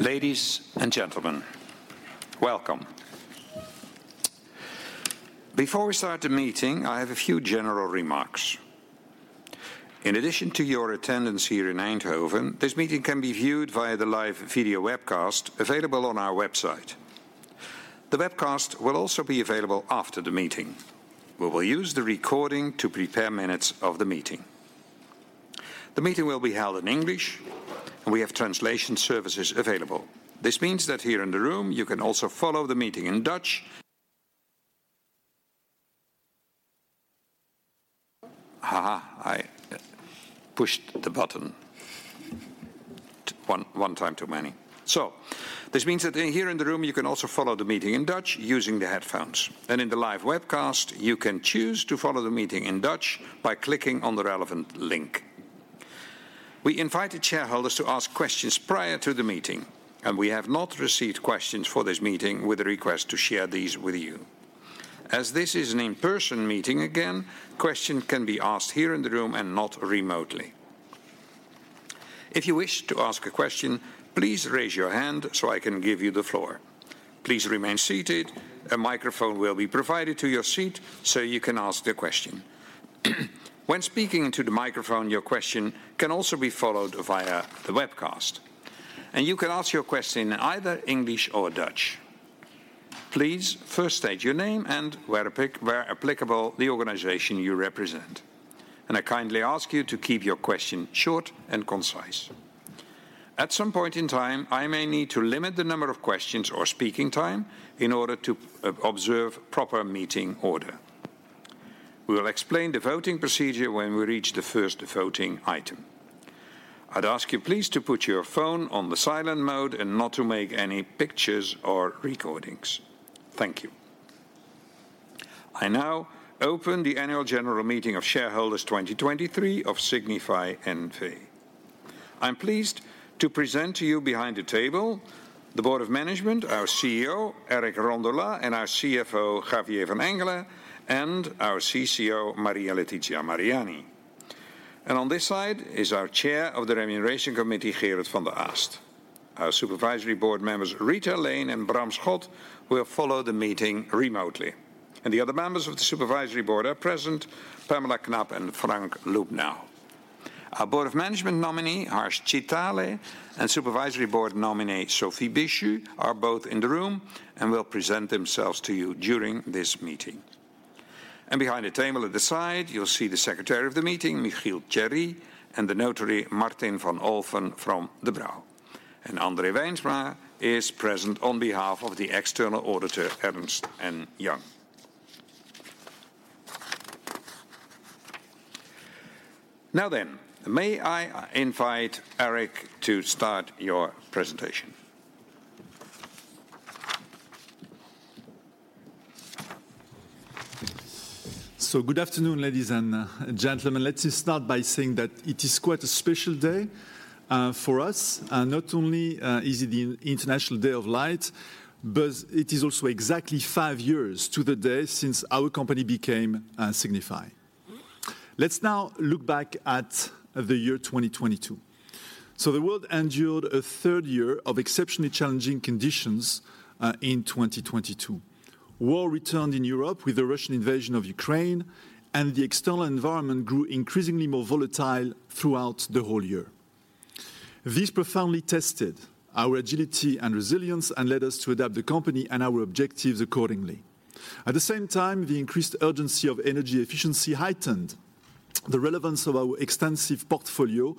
Ladies and gentlemen, welcome. Before we start the meeting, I have a few general remarks. In addition to your attendance here in Eindhoven, this meeting can be viewed via the live video webcast available on our website. The webcast will also be available after the meeting. We will use the recording to prepare minutes of the meeting. The meeting will be held in English, and we have translation services available. This means that here in the room you can also follow the meeting in Dutch. Haha, I pushed the button one time too many. This means that in here in the room you can also follow the meeting in Dutch using the headphones. In the live webcast, you can choose to follow the meeting in Dutch by clicking on the relevant link. We invited shareholders to ask questions prior to the meeting, and we have not received questions for this meeting with a request to share these with you. As this is an in-person meeting again, questions can be asked here in the room and not remotely. If you wish to ask a question, please raise your hand so I can give you the floor. Please remain seated. A microphone will be provided to your seat so you can ask the question. When speaking into the microphone, your question can also be followed via the webcast, and you can ask your question in either English or Dutch. Please first state your name and where applicable, the organization you represent. I kindly ask you to keep your question short and concise. At some point in time, I may need to limit the number of questions or speaking time in order to observe proper meeting order. We will explain the voting procedure when we reach the first voting item. I'd ask you please to put your phone on the silent mode and not to make any pictures or recordings. Thank you. I now open the Annual General Meeting of Shareholders 2023 of Signify N.V. I'm pleased to present to you behind the table the Board of Management, our CEO, Eric Rondolat, and our CFO, Javier van Engelen, and our CCO, Maria-Letizia Mariani. On this side is our Chair of the Remuneration Committee, Gerrit van der Aast. Our Supervisory Board members, Rita Lane and Bram Schot, will follow the meeting remotely, and the other members of the Supervisory Board are present, Pamela Knapp and Frank Lübnow. Our Board of Management nominee, Harsh Chitale, and Supervisory Board nominee, Sophie Bechu, are both in the room and will present themselves to you during this meeting. Behind the table at the side, you'll see the Secretary of the meeting, Michiel de Haar, and the Notary, Martin van Olphen from De Brauw. André Wijnsma is present on behalf of the external auditor, Ernst & Young. Now then, may I invite Eric to start your presentation. Good afternoon, ladies and gentlemen. Let's just start by saying that it is quite a special day for us. Not only is it the International Day of Light, but it is also exactly five years to the day since our company became Signify. Let's now look back at the year 2022. The world endured a third year of exceptionally challenging conditions in 2022. War returned in Europe with the Russian invasion of Ukraine, the external environment grew increasingly more volatile throughout the whole year. This profoundly tested our agility and resilience and led us to adapt the company and our objectives accordingly. At the same time, the increased urgency of energy efficiency heightened the relevance of our extensive portfolio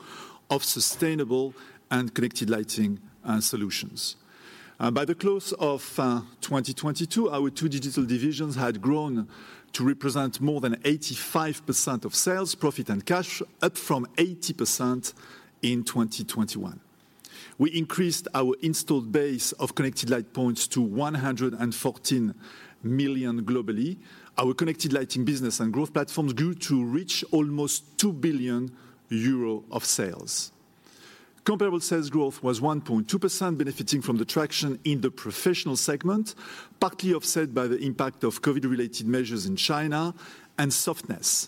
of sustainable and connected lighting solutions. By the close of 2022, our two digital divisions had grown to represent more than 85% of sales, profit, and cash, up from 80% in 2021. We increased our installed base of connected light points to 114 million globally. Our connected lighting business and growth platforms grew to reach almost 2 billion euro of sales. Comparable sales growth was 1.2%, benefiting from the traction in the professional segment, partly offset by the impact of COVID-related measures in China and softness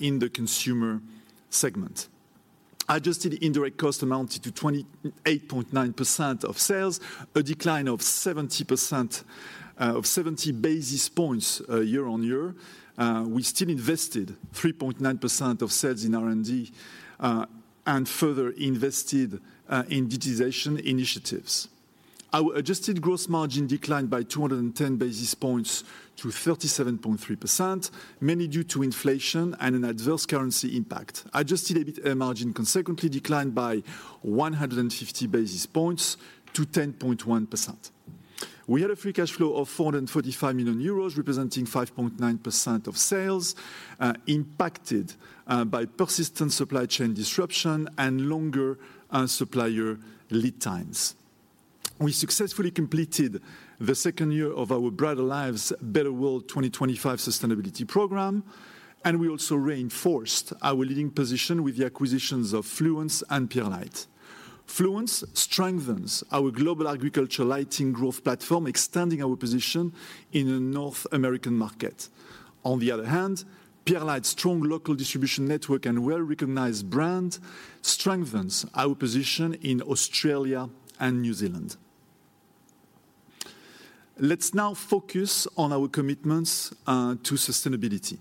in the consumer segment. Adjusted indirect cost amounted to 28.9% of sales, a decline of 70%, of 70 basis points year-on-year. We still invested 3.9% of sales in R&D and further invested in digitization initiatives. Our adjusted gross margin declined by 210 basis points to 37.3%, mainly due to inflation and an adverse currency impact. Adjusted EBITA margin consequently declined by 150 basis points to 10.1%. We had a free cash flow of 445 million euros, representing 5.9% of sales, impacted by persistent supply chain disruption and longer supplier lead times. We successfully completed the second year of our Brighter Lives, Better World 2025 sustainability program. We also reinforced our leading position with the acquisitions of Fluence and Pierlite. Fluence strengthens our global agriculture lighting growth platform, extending our position in the North American market. Pierlite's strong local distribution network and well-recognized brand strengthens our position in Australia and New Zealand. Let's now focus on our commitments to sustainability.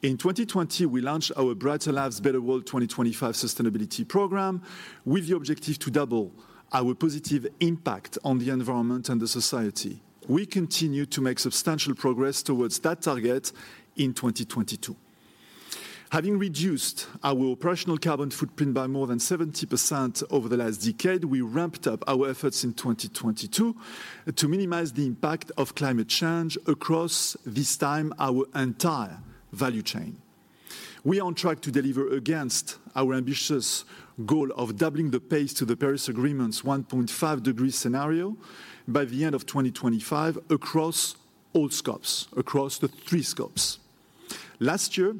In 2020, we launched our Brighter Lives, Better World 2025 sustainability program with the objective to double our positive impact on the environment and the society. We continue to make substantial progress towards that target in 2022. Having reduced our operational carbon footprint by more than 70% over the last decade, we ramped up our efforts in 2022 to minimize the impact of climate change across, this time, our entire value chain. We are on track to deliver against our ambitious goal of doubling the pace to the Paris Agreement's 1.5 degree scenario by the end of 2025 across all scopes, across the 3 scopes. Last year,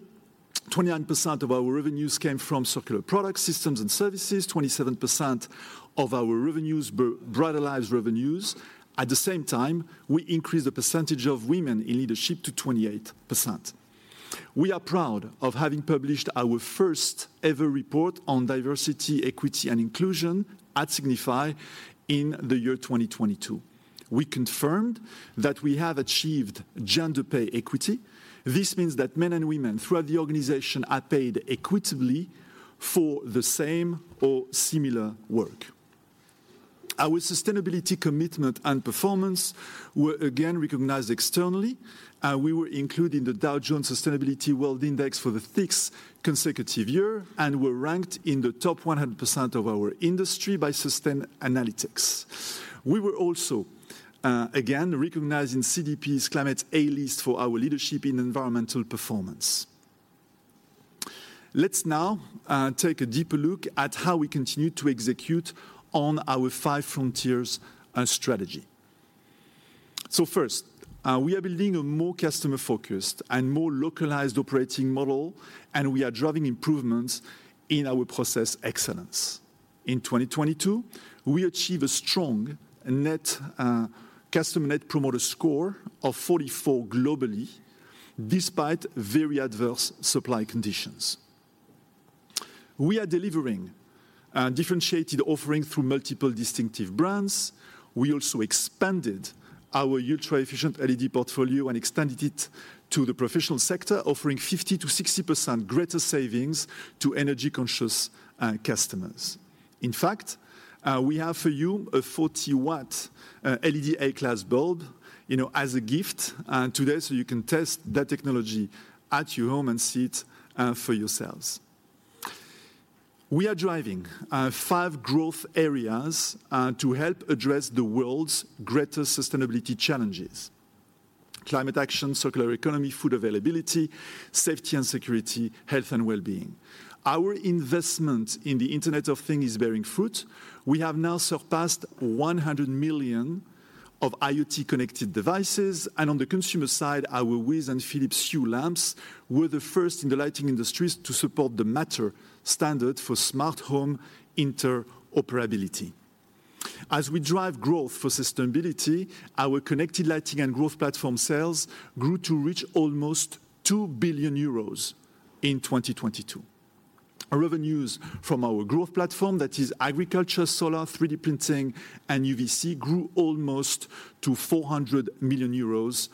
29% of our revenues came from circular product systems and services. 27% of our revenues Brighter Lives revenues. At the same time, we increased the percentage of women in leadership to 28%. We are proud of having published our first-ever report on diversity, equity, and inclusion at Signify in the year 2022. We confirmed that we have achieved gender pay equity. This means that men and women throughout the organization are paid equitably for the same or similar work. Our sustainability commitment and performance were again recognized externally. We were included in the Dow Jones Sustainability World Index for the sixth consecutive year and were ranked in the top 100% of our industry by Sustainalytics. We were also, again, recognized in CDP's Climate A List for our leadership in environmental performance. Let's now take a deeper look at how we continue to execute on our Five Frontiers strategy. First, we are building a more customer-focused and more localized operating model, and we are driving improvements in our process excellence. In 2022, we achieve a strong net customer Net Promoter Score of 44 globally, despite very adverse supply conditions. We are delivering a differentiated offering through multiple distinctive brands. We also expanded our ultra-efficient LED portfolio and extended it to the professional sector, offering 50%-60% greater savings to energy-conscious customers. In fact, we have for you a 40 W LED A-class bulb, you know, as a gift today, so you can test that technology at your home and see it for yourselves. We are driving five growth areas to help address the world's greatest sustainability challenges: climate action, circular economy, food availability, safety and security, health and well-being. Our investment in the Internet of Things is bearing fruit. We have now surpassed 100 million of IoT-connected devices. On the consumer side, our WiZ and Philips Hue lamps were the first in the lighting industries to support the Matter standard for smart home interoperability. As we drive growth for sustainability, our connected lighting and growth platform sales grew to reach almost 2 billion euros in 2022. Our revenues from our growth platform, that is agriculture, solar, 3D printing, and UVC, grew almost to 400 million euros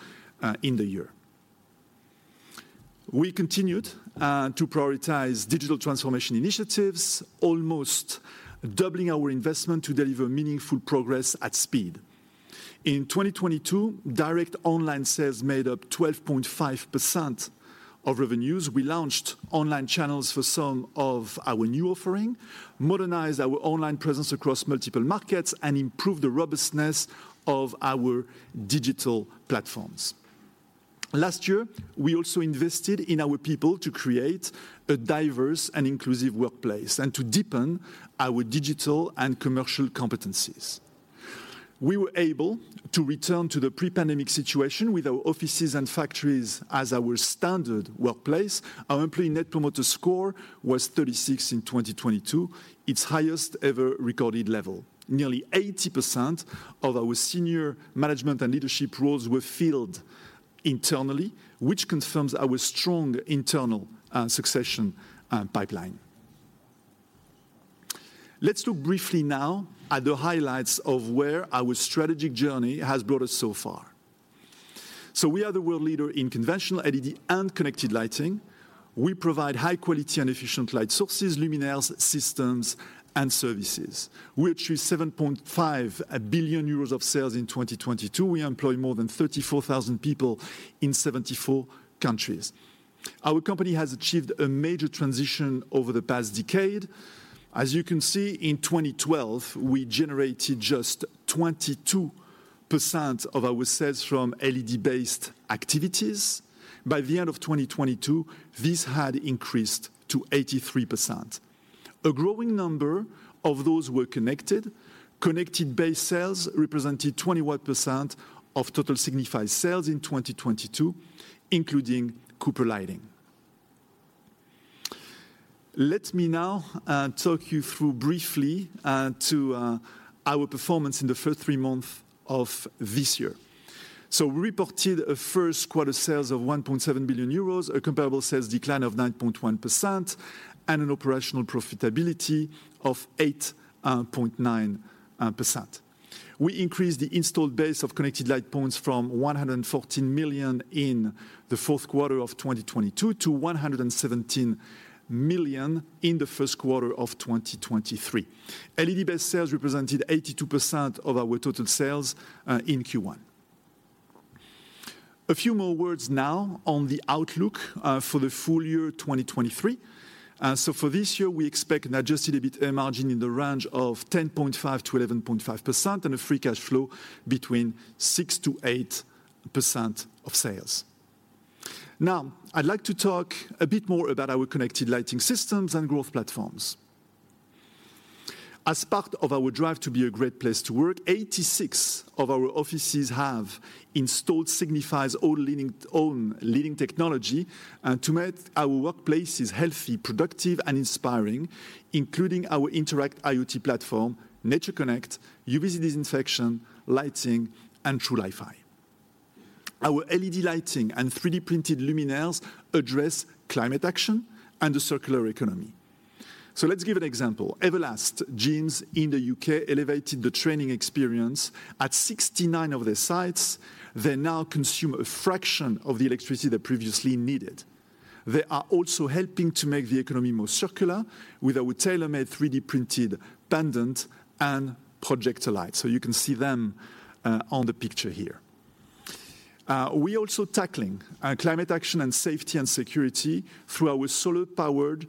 in the year. We continued to prioritize digital transformation initiatives, almost doubling our investment to deliver meaningful progress at speed. In 2022, direct online sales made up 12.5% of revenues. We launched online channels for some of our new offering, modernized our online presence across multiple markets, and improved the robustness of our digital platforms. Last year, we also invested in our people to create a diverse and inclusive workplace and to deepen our digital and commercial competencies. We were able to return to the pre-pandemic situation with our offices and factories as our standard workplace. Our employee Net Promoter Score was 36 in 2022, its highest ever recorded level. Nearly 80% of our senior management and leadership roles were filled internally, which confirms our strong internal succession pipeline. Let's look briefly now at the highlights of where our strategic journey has brought us so far. We are the world leader in conventional LED and connected lighting. We provide high quality and efficient light sources, luminaires, systems, and services. We achieved 7.5 billion euros of sales in 2022. We employ more than 34,000 people in 74 countries. Our company has achieved a major transition over the past decade. As you can see, in 2012, we generated just 22% of our sales from LED-based activities. By the end of 2022, this had increased to 83%. A growing number of those were connected. Connected-based sales represented 21% of total Signify sales in 2022, including Cooper Lighting. Let me now talk you through briefly to our performance in the first three months of this year. We reported a Q1 sales of 1.7 billion euros, a comparable sales decline of 9.1%, and an operational profitability of 8.9%. We increased the installed base of connected light points from 114 million in the Q4 of 2022 to 117 million in the Q1 of 2023. LED-based sales represented 82% of our total sales in Q1. A few more words now on the outlook for the full year 2023. For this year, we expect an Adjusted EBIT margin in the range of 10.5%-11.5% and a free cash flow between 6%-8% of sales. Now, I'd like to talk a bit more about our connected lighting systems and growth platforms. As part of our drive to be a great place to work, 86 of our offices have installed Signify's own leading technology to make our workplaces healthy, productive, and inspiring, including our Interact IoT platform, NatureConnect, UV disinfection, lighting, and Trulifi. Our LED lighting and 3D printed luminaires address climate action and the circular economy. Let's give an example. Everlast Gyms in the U.K. elevated the training experience at 69 of their sites. They now consume a fraction of the electricity they previously needed. They are also helping to make the economy more circular with our tailor-made 3D printed pendant and projector lights. You can see them on the picture here. We also tackling climate action and safety and security through our solar-powered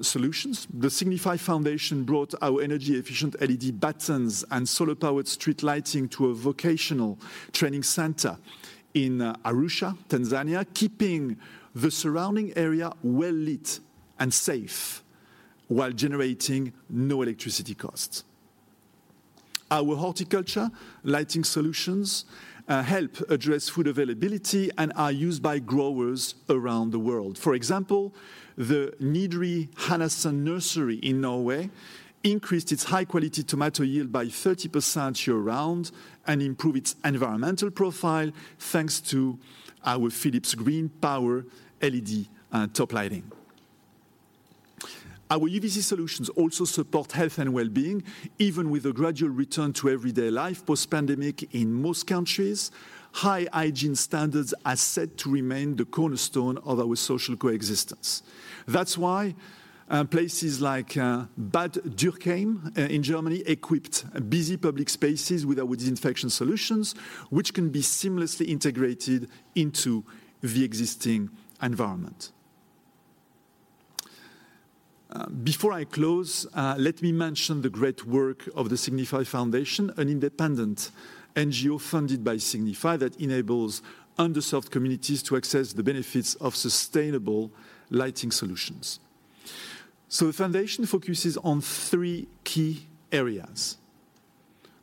solutions. The Signify Foundation brought our energy-efficient LED buttons and solar-powered street lighting to a vocational training center in Arusha, Tanzania, keeping the surrounding area well lit and safe while generating no electricity costs. Our horticulture lighting solutions help address food availability and are used by growers around the world. For example, the Nedre Hanasand Nursery in Norway increased its high-quality tomato yield by 30% year-round and improved its environmental profile thanks to our Philips GreenPower LED top lighting. Our UVC solutions also support health and well-being, even with a gradual return to everyday life post-pandemic in most countries. High hygiene standards are set to remain the cornerstone of our social coexistence. That's why places like Bad Dürkheim in Germany equipped busy public spaces with our disinfection solutions, which can be seamlessly integrated into the existing environment. Before I close, let me mention the great work of the Signify Foundation, an independent NGO funded by Signify that enables underserved communities to access the benefits of sustainable lighting solutions. The foundation focuses on three key areas.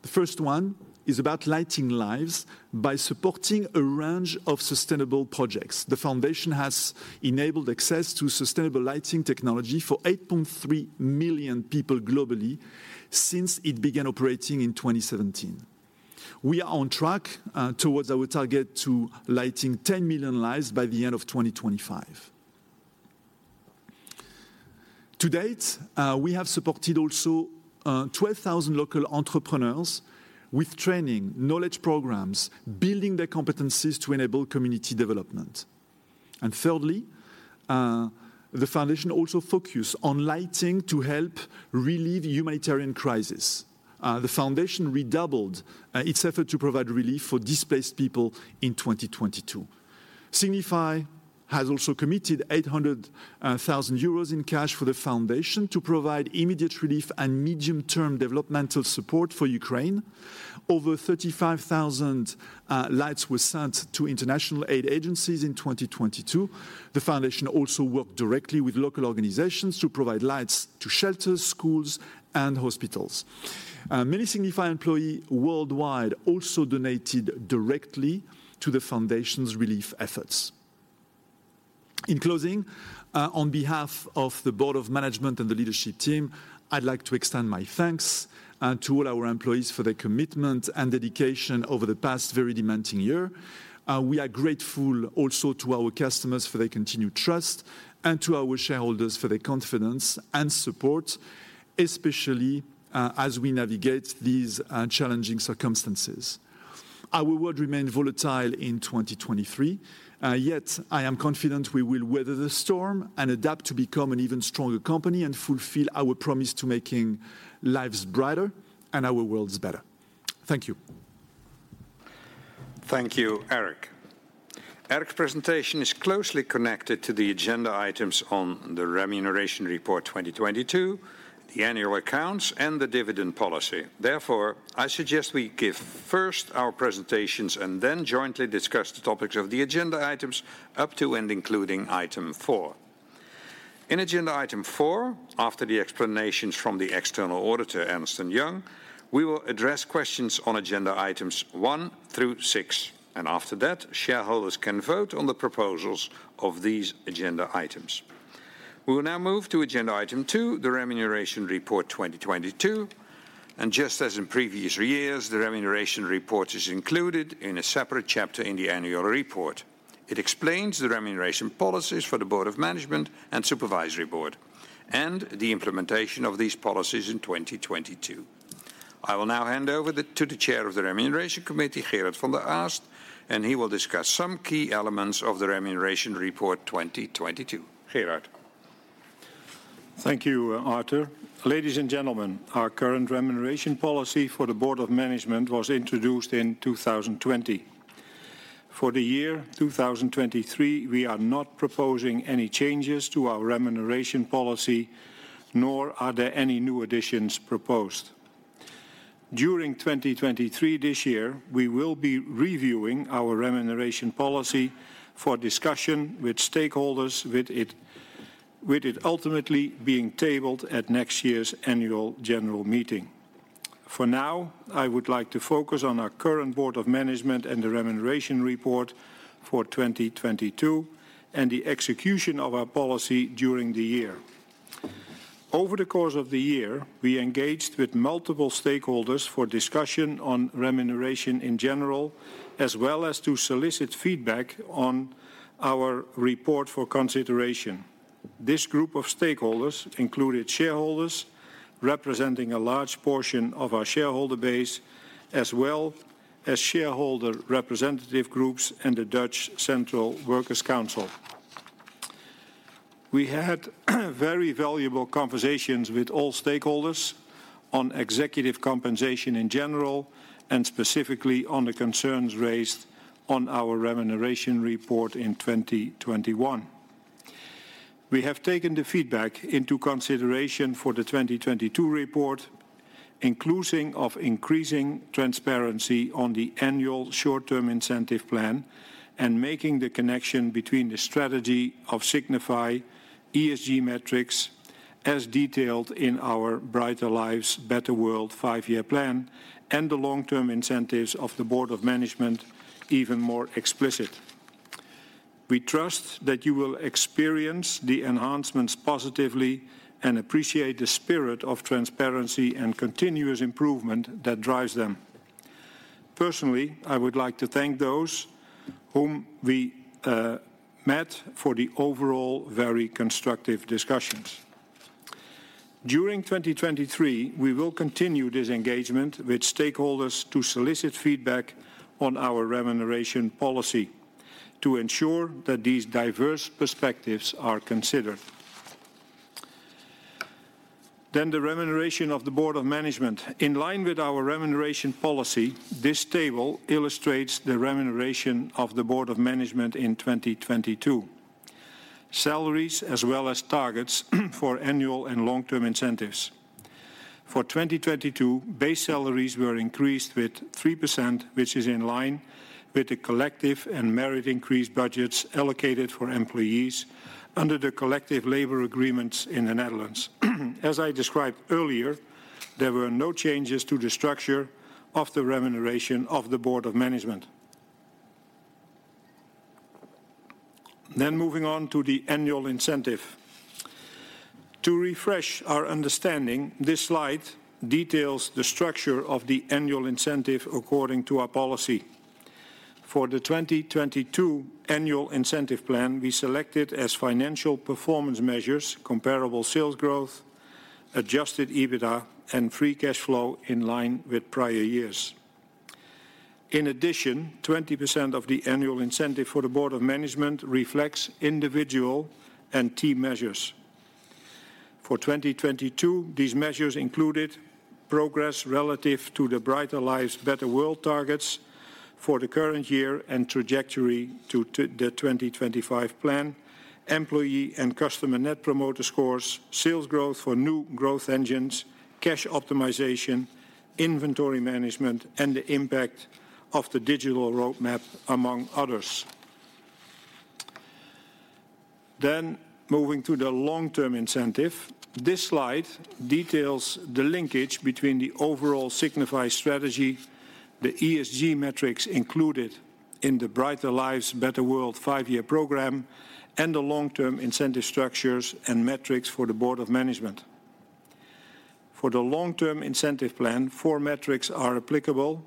The first one is about lighting lives by supporting a range of sustainable projects. The foundation has enabled access to sustainable lighting technology for 8.3 million people globally since it began operating in 2017. We are on track towards our target to lighting 10 million lives by the end of 2025. To date, we have supported also 12,000 local entrepreneurs with training, knowledge programs, building their competencies to enable community development. Thirdly, the foundation also focus on lighting to help relieve humanitarian crisis. The foundation redoubled its effort to provide relief for displaced people in 2022. Signify has also committed 800,000 euros in cash for the foundation to provide immediate relief and medium-term developmental support for Ukraine. Over 35,000 lights were sent to international aid agencies in 2022. The foundation also worked directly with local organizations to provide lights to shelters, schools, and hospitals. Many Signify employee worldwide also donated directly to the Foundation's relief efforts. In closing, on behalf of the Board of Management and the leadership team, I'd like to extend my thanks to all our employees for their commitment and dedication over the past very demanding year. We are grateful also to our customers for their continued trust and to our shareholders for their confidence and support, especially as we navigate these challenging circumstances. Our world remain volatile in 2023, yet I am confident we will weather the storm and adapt to become an even stronger company and fulfill our promise to making lives brighter and our worlds better. Thank you. Thank you, Eric. Eric's presentation is closely connected to the agenda items on the Remuneration Report 2022, the annual accounts, and the dividend policy. I suggest we give first our presentations and then jointly discuss the topics of the agenda items up to and including item four. In agenda item four, after the explanations from the external auditor, Ernst & Young, we will address questions on agenda items one through six. After that, shareholders can vote on the proposals of these agenda items. We will now move to Item 2, the Remuneration Report 2022. Just as in previous years, the Remuneration Report is included in a separate chapter in the annual report. It explains the remuneration policies for the Board of Management and Supervisory Board, and the implementation of these policies in 2022. I will now hand over to the Chair of the Remuneration Committee, Gerard van de Aast. He will discuss some key elements of the Remuneration Report 2022. Gerard. Thank you, Arthur. Ladies and gentlemen, our current remuneration policy for the Board of Management was introduced in 2020. For the year 2023, we are not proposing any changes to our remuneration policy, nor are there any new additions proposed. During 2023 this year, we will be reviewing our remuneration policy for discussion with stakeholders with it ultimately being tabled at next year's annual general meeting. For now, I would like to focus on our current Board of Management and the Remuneration Report for 2022, and the execution of our policy during the year. Over the course of the year, we engaged with multiple stakeholders for discussion on remuneration in general, as well as to solicit feedback on our report for consideration. This group of stakeholders included shareholders representing a large portion of our shareholder base, as well as shareholder representative groups and the Dutch Central Works Council. We had very valuable conversations with all stakeholders on executive compensation in general, and specifically on the concerns raised on our Remuneration Report in 2021. We have taken the feedback into consideration for the 2022 report, including of increasing transparency on the annual short-term incentive plan and making the connection between the strategy of Signify ESG metrics, as detailed in our Brighter Lives, Better World five-year plan, and the long-term incentives of the Board of Management even more explicit. We trust that you will experience the enhancements positively and appreciate the spirit of transparency and continuous improvement that drives them. Personally, I would like to thank those whom we met for the overall very constructive discussions. During 2023, we will continue this engagement with stakeholders to solicit feedback on our remuneration policy to ensure that these diverse perspectives are considered. The remuneration of the Board of Management. In line with our remuneration policy, this table illustrates the remuneration of the Board of Management in 2022. Salaries, as well as targets for annual and long-term incentives. For 2022, base salaries were increased with 3%, which is in line with the collective and merit increase budgets allocated for employees under the collective labor agreements in the Netherlands. As I described earlier, there were no changes to the structure of the remuneration of the Board of Management. Moving on to the annual incentive. To refresh our understanding, this slide details the structure of the annual incentive according to our policy. For the 2022 annual incentive plan, we selected as financial performance measures comparable sales growth, Adjusted EBITDA, and free cash flow in line with prior years. In addition, 20% of the annual incentive for the Board of Management reflects individual and team measures. For 2022, these measures included progress relative to the Brighter Lives, Better World targets for the current year and trajectory to the 2025 plan, employee and customer Net Promoter Scores, sales growth for new growth engines, cash optimization, inventory management, and the impact of the digital roadmap, among others. Moving to the long-term incentive. This slide details the linkage between the overall Signify strategy, the ESG metrics included in the Brighter Lives, Better World five-year program, and the long-term incentive structures and metrics for the Board of Management. For the long-term incentive plan, four metrics are applicable: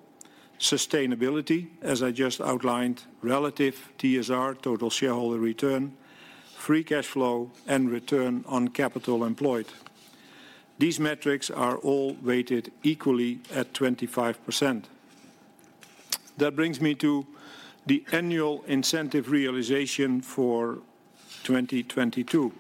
sustainability, as I just outlined; relative TSR, total shareholder return; free cash flow; and return on capital employed. These metrics are all weighted equally at 25%. That brings me to the annual incentive realization for 2022.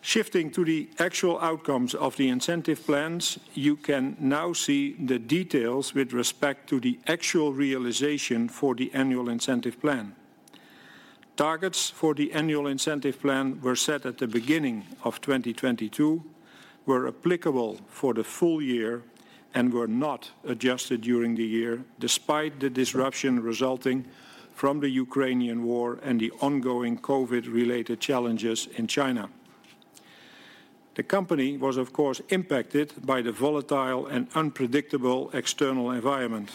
Shifting to the actual outcomes of the incentive plans, you can now see the details with respect to the actual realization for the annual incentive plan. Targets for the annual incentive plan were set at the beginning of 2022, were applicable for the full year, and were not adjusted during the year despite the disruption resulting from the Ukrainian war and the ongoing COVID-related challenges in China. The company was of course impacted by the volatile and unpredictable external environment.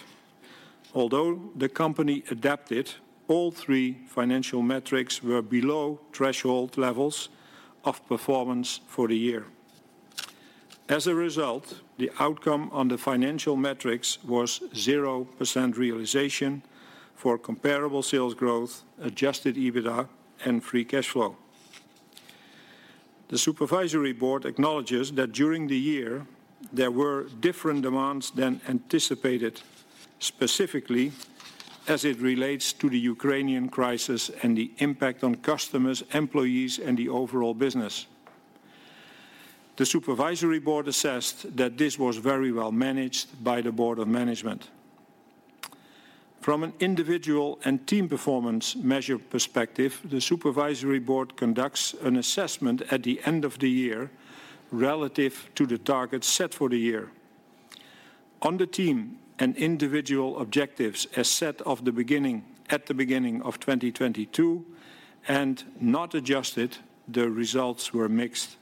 Although the company adapted, all three financial metrics were below threshold levels of performance for the year. The outcome on the financial metrics was 0% realization for comparable sales growth, Adjusted EBITDA, and free cash flow. The Supervisory Board acknowledges that during the year, there were different demands than anticipated, specifically as it relates to the Ukrainian crisis and the impact on customers, employees, and the overall business. The Supervisory Board assessed that this was very well managed by the Board of Management. From an individual and team performance measure perspective, the Supervisory Board conducts an assessment at the end of the year relative to the targets set for the year. On the team and individual objectives at the beginning of 2022 and not adjusted, the results were mixed.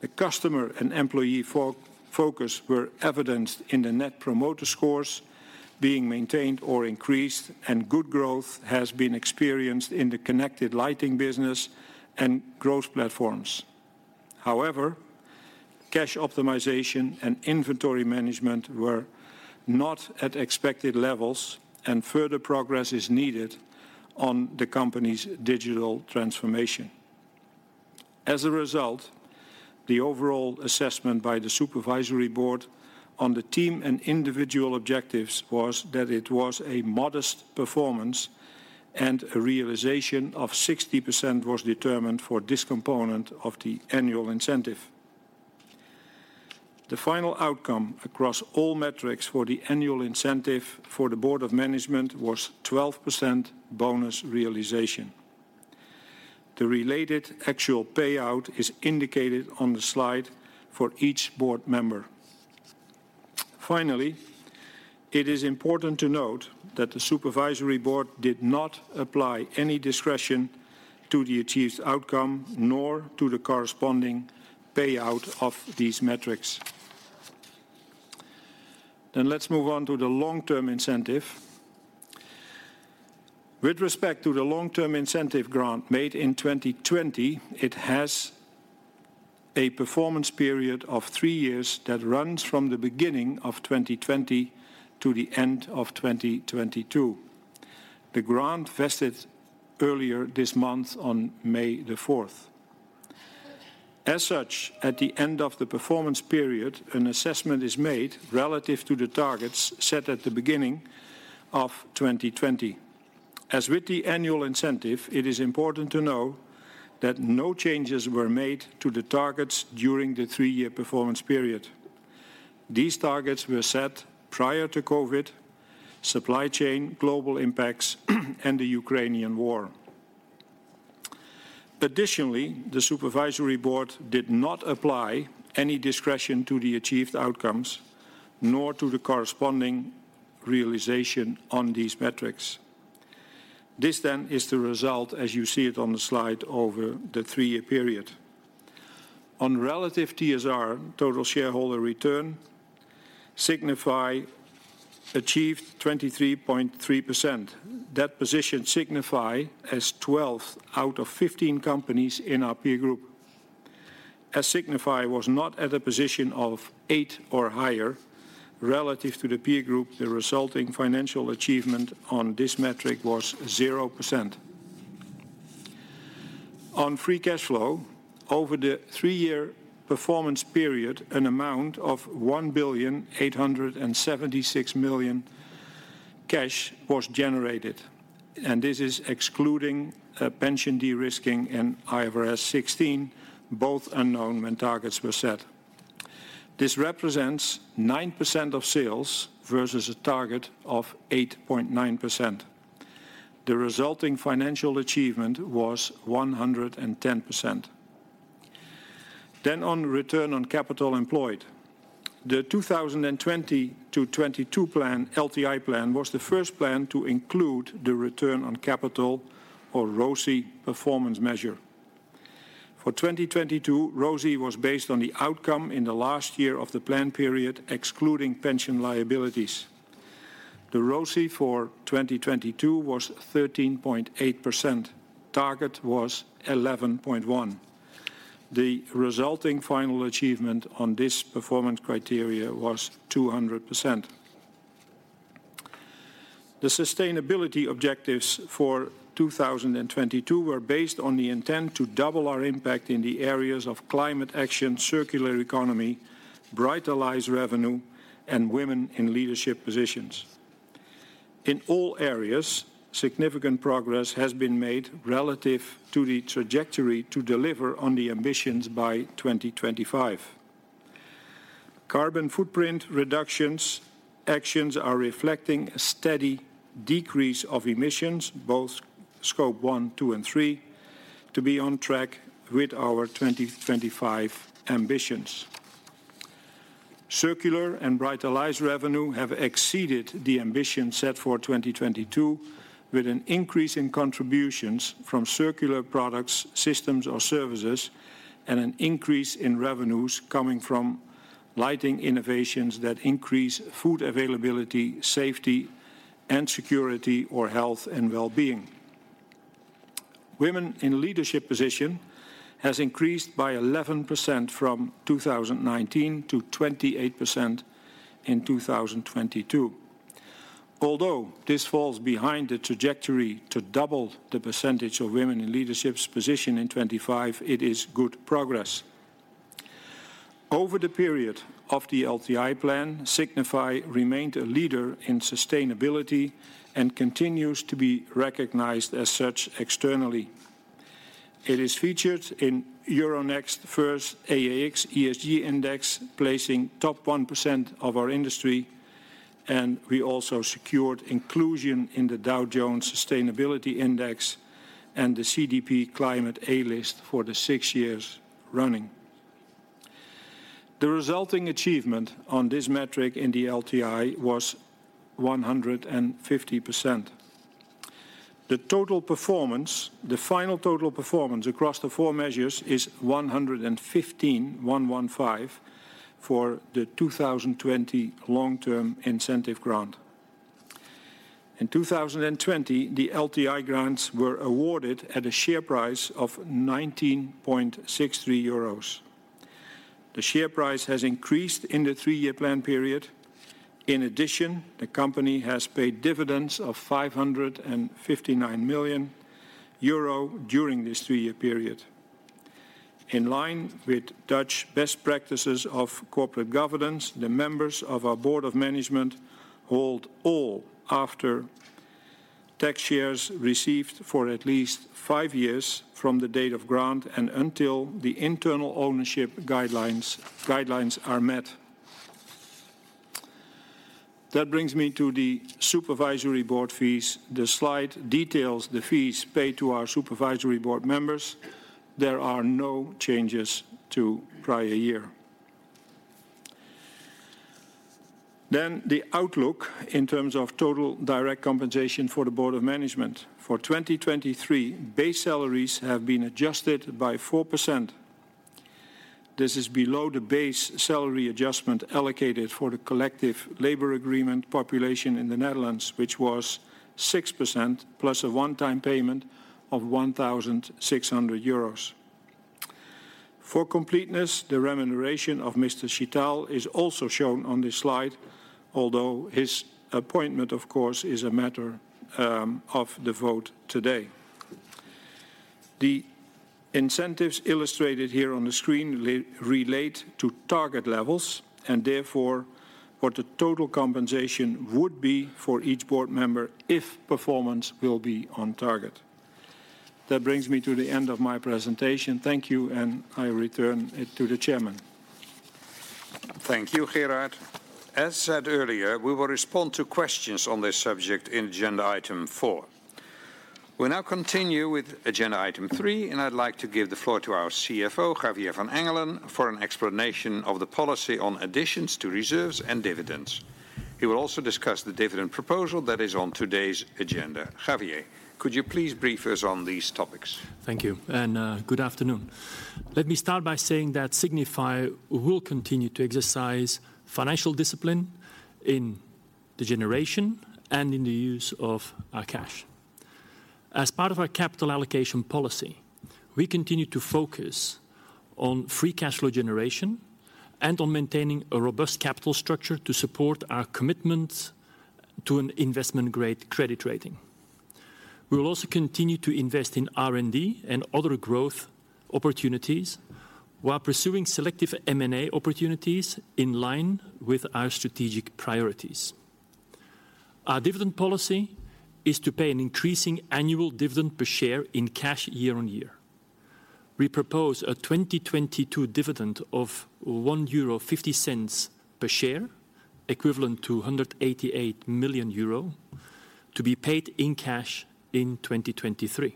The customer and employee focus were evidenced in the Net Promoter Scores being maintained or increased, and good growth has been experienced in the connected lighting business and growth platforms. Cash optimization and inventory management were not at expected levels, and further progress is needed on the company's digital transformation. The overall assessment by the Supervisory Board on the team and individual objectives was that it was a modest performance and a realization of 60% was determined for this component of the annual incentive. The final outcome across all metrics for the annual incentive for the Board of Management was 12% bonus realization. The related actual payout is indicated on the slide for each board member. It is important to note that the Supervisory Board did not apply any discretion to the achieved outcome nor to the corresponding payout of these metrics. Let's move on to the long-term incentive. With respect to the long-term incentive grant made in 2020, it has a performance period of three years that runs from the beginning of 2020 to the end of 2022. The grant vested earlier this month on May 4th. As such, at the end of the performance period, an assessment is made relative to the targets set at the beginning of 2020. As with the annual incentive, it is important to know that no changes were made to the targets during the three-year performance period. These targets were set prior to COVID, supply chain global impacts, and the Ukrainian war. Additionally, the Supervisory Board did not apply any discretion to the achieved outcomes nor to the corresponding realization on these metrics. This then is the result as you see it on the slide over the three-year period. On relative TSR, total shareholder return, Signify achieved 23.3%. That positioned Signify as 12th out of 15 companies in our peer group. As Signify was not at a position of eight or higher relative to the peer group, the resulting financial achievement on this metric was 0%. On free cash flow, over the three-year performance period, an amount of 1.876 billion cash was generated, and this is excluding pension de-risking and IFRS 16, both unknown when targets were set. This represents 9% of sales versus a target of 8.9%. The resulting financial achievement was 110%. On return on capital employed, the 2020-2022 plan, LTI plan, was the first plan to include the return on capital or ROCE performance measure. For 2022, ROCE was based on the outcome in the last year of the plan period, excluding pension liabilities. The ROCE for 2022 was 13.8%. Target was 11.1%. The resulting final achievement on this performance criteria was 200%. The sustainability objectives for 2022 were based on the intent to double our impact in the areas of climate action, circular economy, Brighter lives revenue, and women in leadership positions. In all areas, significant progress has been made relative to the trajectory to deliver on the ambitions by 2025. Carbon footprint reductions actions are reflecting a steady decrease of emissions, both Scope 1, 2, and 3, to be on track with our 2025 ambitions. Circular and Brighter Lives revenue have exceeded the ambition set for 2022, with an increase in contributions from circular products, systems or services, and an increase in revenues coming from lighting innovations that increase food availability, safety and security or health and well-being. Women in leadership position has increased by 11% from 2019 to 28% in 2022. Although this falls behind the trajectory to double the percentage of women in leaderships position in 2025, it is good progress. Over the period of the LTI plan, Signify remained a leader in sustainability and continues to be recognized as such externally. It is featured in Euronext first AEX ESG Index, placing top 1% of our industry, and we also secured inclusion in the Dow Jones Sustainability Index and the CDP Climate A List for the six years running. The resulting achievement on this metric in the LTI was 150%. The final total performance across the four measures is 115, for the 2020 long-term incentive grant. In 2020, the LTI grants were awarded at a share price of 19.63 euros. The share price has increased in the three-year plan period. In addition, the company has paid dividends of 559 million euro during this three-year period. In line with Dutch best practices of corporate governance, the members of our board of management hold all after tax shares received for at least five years from the date of grant and until the internal ownership guidelines are met. That brings me to the supervisory board fees. The slide details the fees paid to our supervisory board members. There are no changes to prior year. The outlook in terms of total direct compensation for the board of management. For 2023, base salaries have been adjusted by 4%. This is below the base salary adjustment allocated for the collective labor agreement population in the Netherlands, which was 6% plus a one-time payment of 1,600 euros. For completeness, the remuneration of Mr. Chitale is also shown on this slide, although his appointment of course is a matter of the vote today. The incentives illustrated here on the screen relate to target levels and therefore what the total compensation would be for each board member if performance will be on target. That brings me to the end of my presentation. Thank you, and I return it to the Chairman. Thank you, Gerard. As said earlier, we will respond to questions on this subject in agenda item four. We now continue with agenda Item 3, and I'd like to give the floor to our CFO, Javier van Engelen, for an explanation of the policy on additions to reserves and dividends. He will also discuss the dividend proposal that is on today's agenda. Javier, could you please brief us on these topics? Thank you, good afternoon. Let me start by saying that Signify will continue to exercise financial discipline in the generation and in the use of our cash. As part of our capital allocation policy, we continue to focus on free cash flow generation and on maintaining a robust capital structure to support our commitment to an investment-grade credit rating. We will also continue to invest in R&D and other growth opportunities while pursuing selective M&A opportunities in line with our strategic priorities. Our dividend policy is to pay an increasing annual dividend per share in cash year on year. We propose a 2022 dividend of 1.50 euro per share, equivalent to 188 million euro, to be paid in cash in 2023.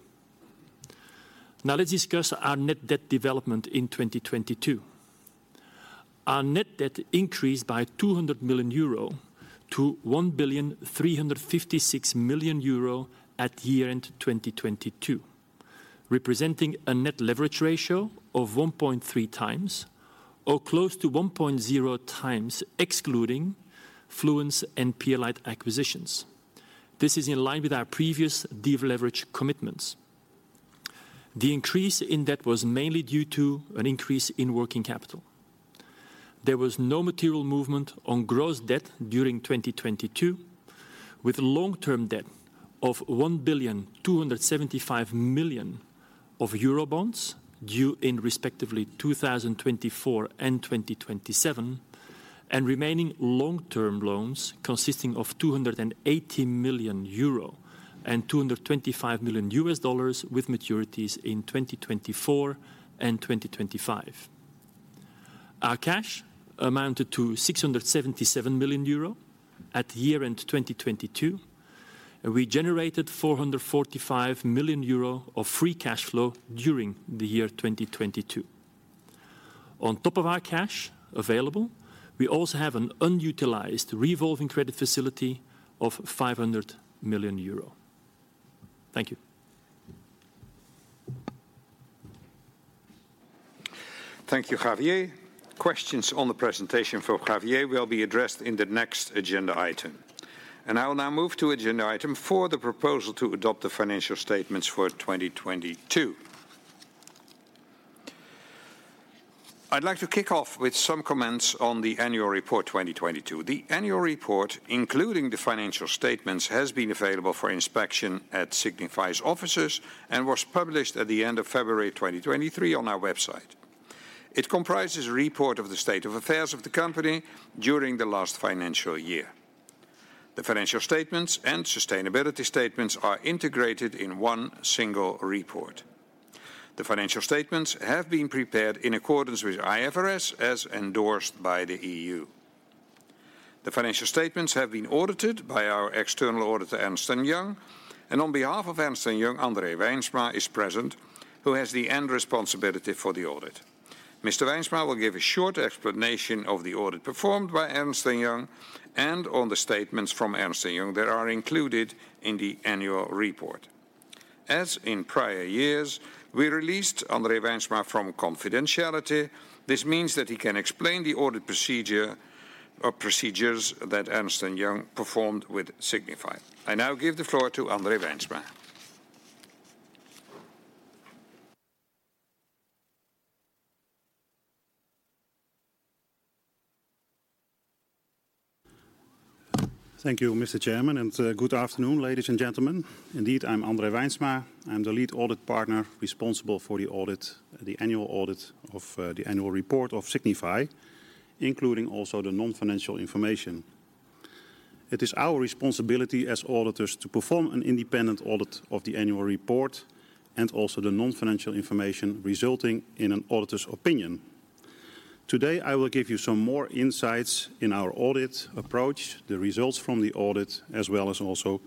Let's discuss our net debt development in 2022. Our net debt increased by 200 million euro to 1.356 billion at year-end 2022, representing a net leverage ratio of 1.3x or close to 1.0x, excluding Fluence and Pierlite acquisitions. This is in line with our previous deleverage commitments. The increase in debt was mainly due to an increase in working capital. There was no material movement on gross debt during 2022, with long-term debt of 1.275 billion of euro bonds due in respectively 2024 and 2027, and remaining long-term loans consisting of 280 million euro and $225 million with maturities in 2024 and 2025. Our cash amounted to 677 million euro at year-end 2022. We generated 445 million euro of free cash flow during the year 2022. On top of our cash available, we also have an unutilized revolving credit facility of 500 million euro. Thank you. Thank you, Javier. Questions on the presentation for Javier will be addressed in the next agenda item. I will now move to agenda item four, the proposal to adopt the financial statements for 2022. I'd like to kick off with some comments on the annual report 2022. The annual report, including the financial statements, has been available for inspection at Signify's offices and was published at the end of February 2023 on our website. It comprises a report of the state of affairs of the company during the last financial year. The financial statements and sustainability statements are integrated in one single report. The financial statements have been prepared in accordance with IFRS as endorsed by the EU. The financial statements have been audited by our external auditor, Ernst & Young. On behalf of Ernst & Young, André Wijnsma is present, who has the end responsibility for the audit. Mr. Wijnsma will give a short explanation of the audit performed by Ernst & Young and on the statements from Ernst & Young that are included in the annual report. As in prior years, we released André Wijnsma from confidentiality. This means that he can explain the audit procedure or procedures that Ernst & Young performed with Signify. I now give the floor to André Wijnsma. Thank you, Mr. Chairman. Good afternoon, ladies and gentlemen. Indeed, I'm André Wijnsma. I'm the lead audit partner responsible for the audit, the annual audit of the annual report of Signify, including also the non-financial information. It is our responsibility as auditors to perform an independent audit of the annual report and also the non-financial information resulting in an auditor's opinion. Today, I will give you some more insights in our audit approach, the results from the audit, as well as also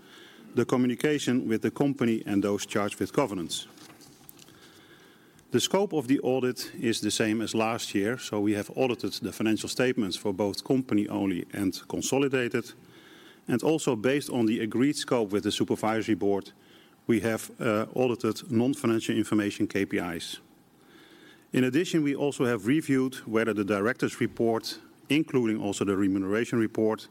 the communication with the company and those charged with governance. The scope of the audit is the same as last year. We have audited the financial statements for both company-only and consolidated. Also based on the agreed scope with the Supervisory Board, we have audited non-financial information KPIs. In addition, we also have reviewed whether the director's report, including also the remuneration report,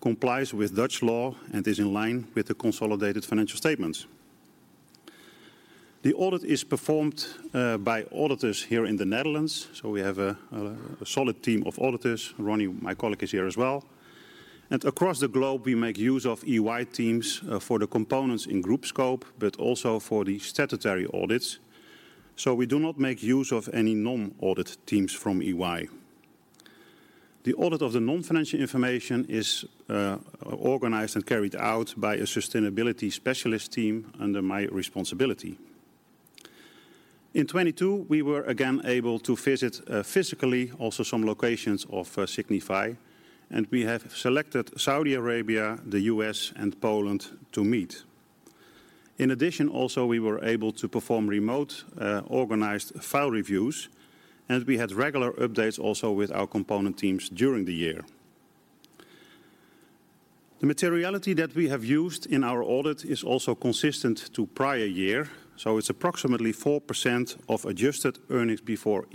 complies with Dutch law and is in line with the consolidated financial statements. The audit is performed by auditors here in the Netherlands, so we have a solid team of auditors. Ronnie, my colleague, is here as well. Across the globe, we make use of EY teams for the components in group scope, but also for the statutory audits. We do not make use of any non-audit teams from EY. The audit of the non-financial information is organized and carried out by a sustainability specialist team under my responsibility. In 22, we were again able to visit physically also some locations of Signify, and we have selected Saudi Arabia, the U.S., and Poland to meet. In addition, also, we were able to perform remote organized file reviews, we had regular updates also with our component teams during the year. The materiality that we have used in our audit is also consistent to prior year. It's approximately 4% of Adjusted EBITA.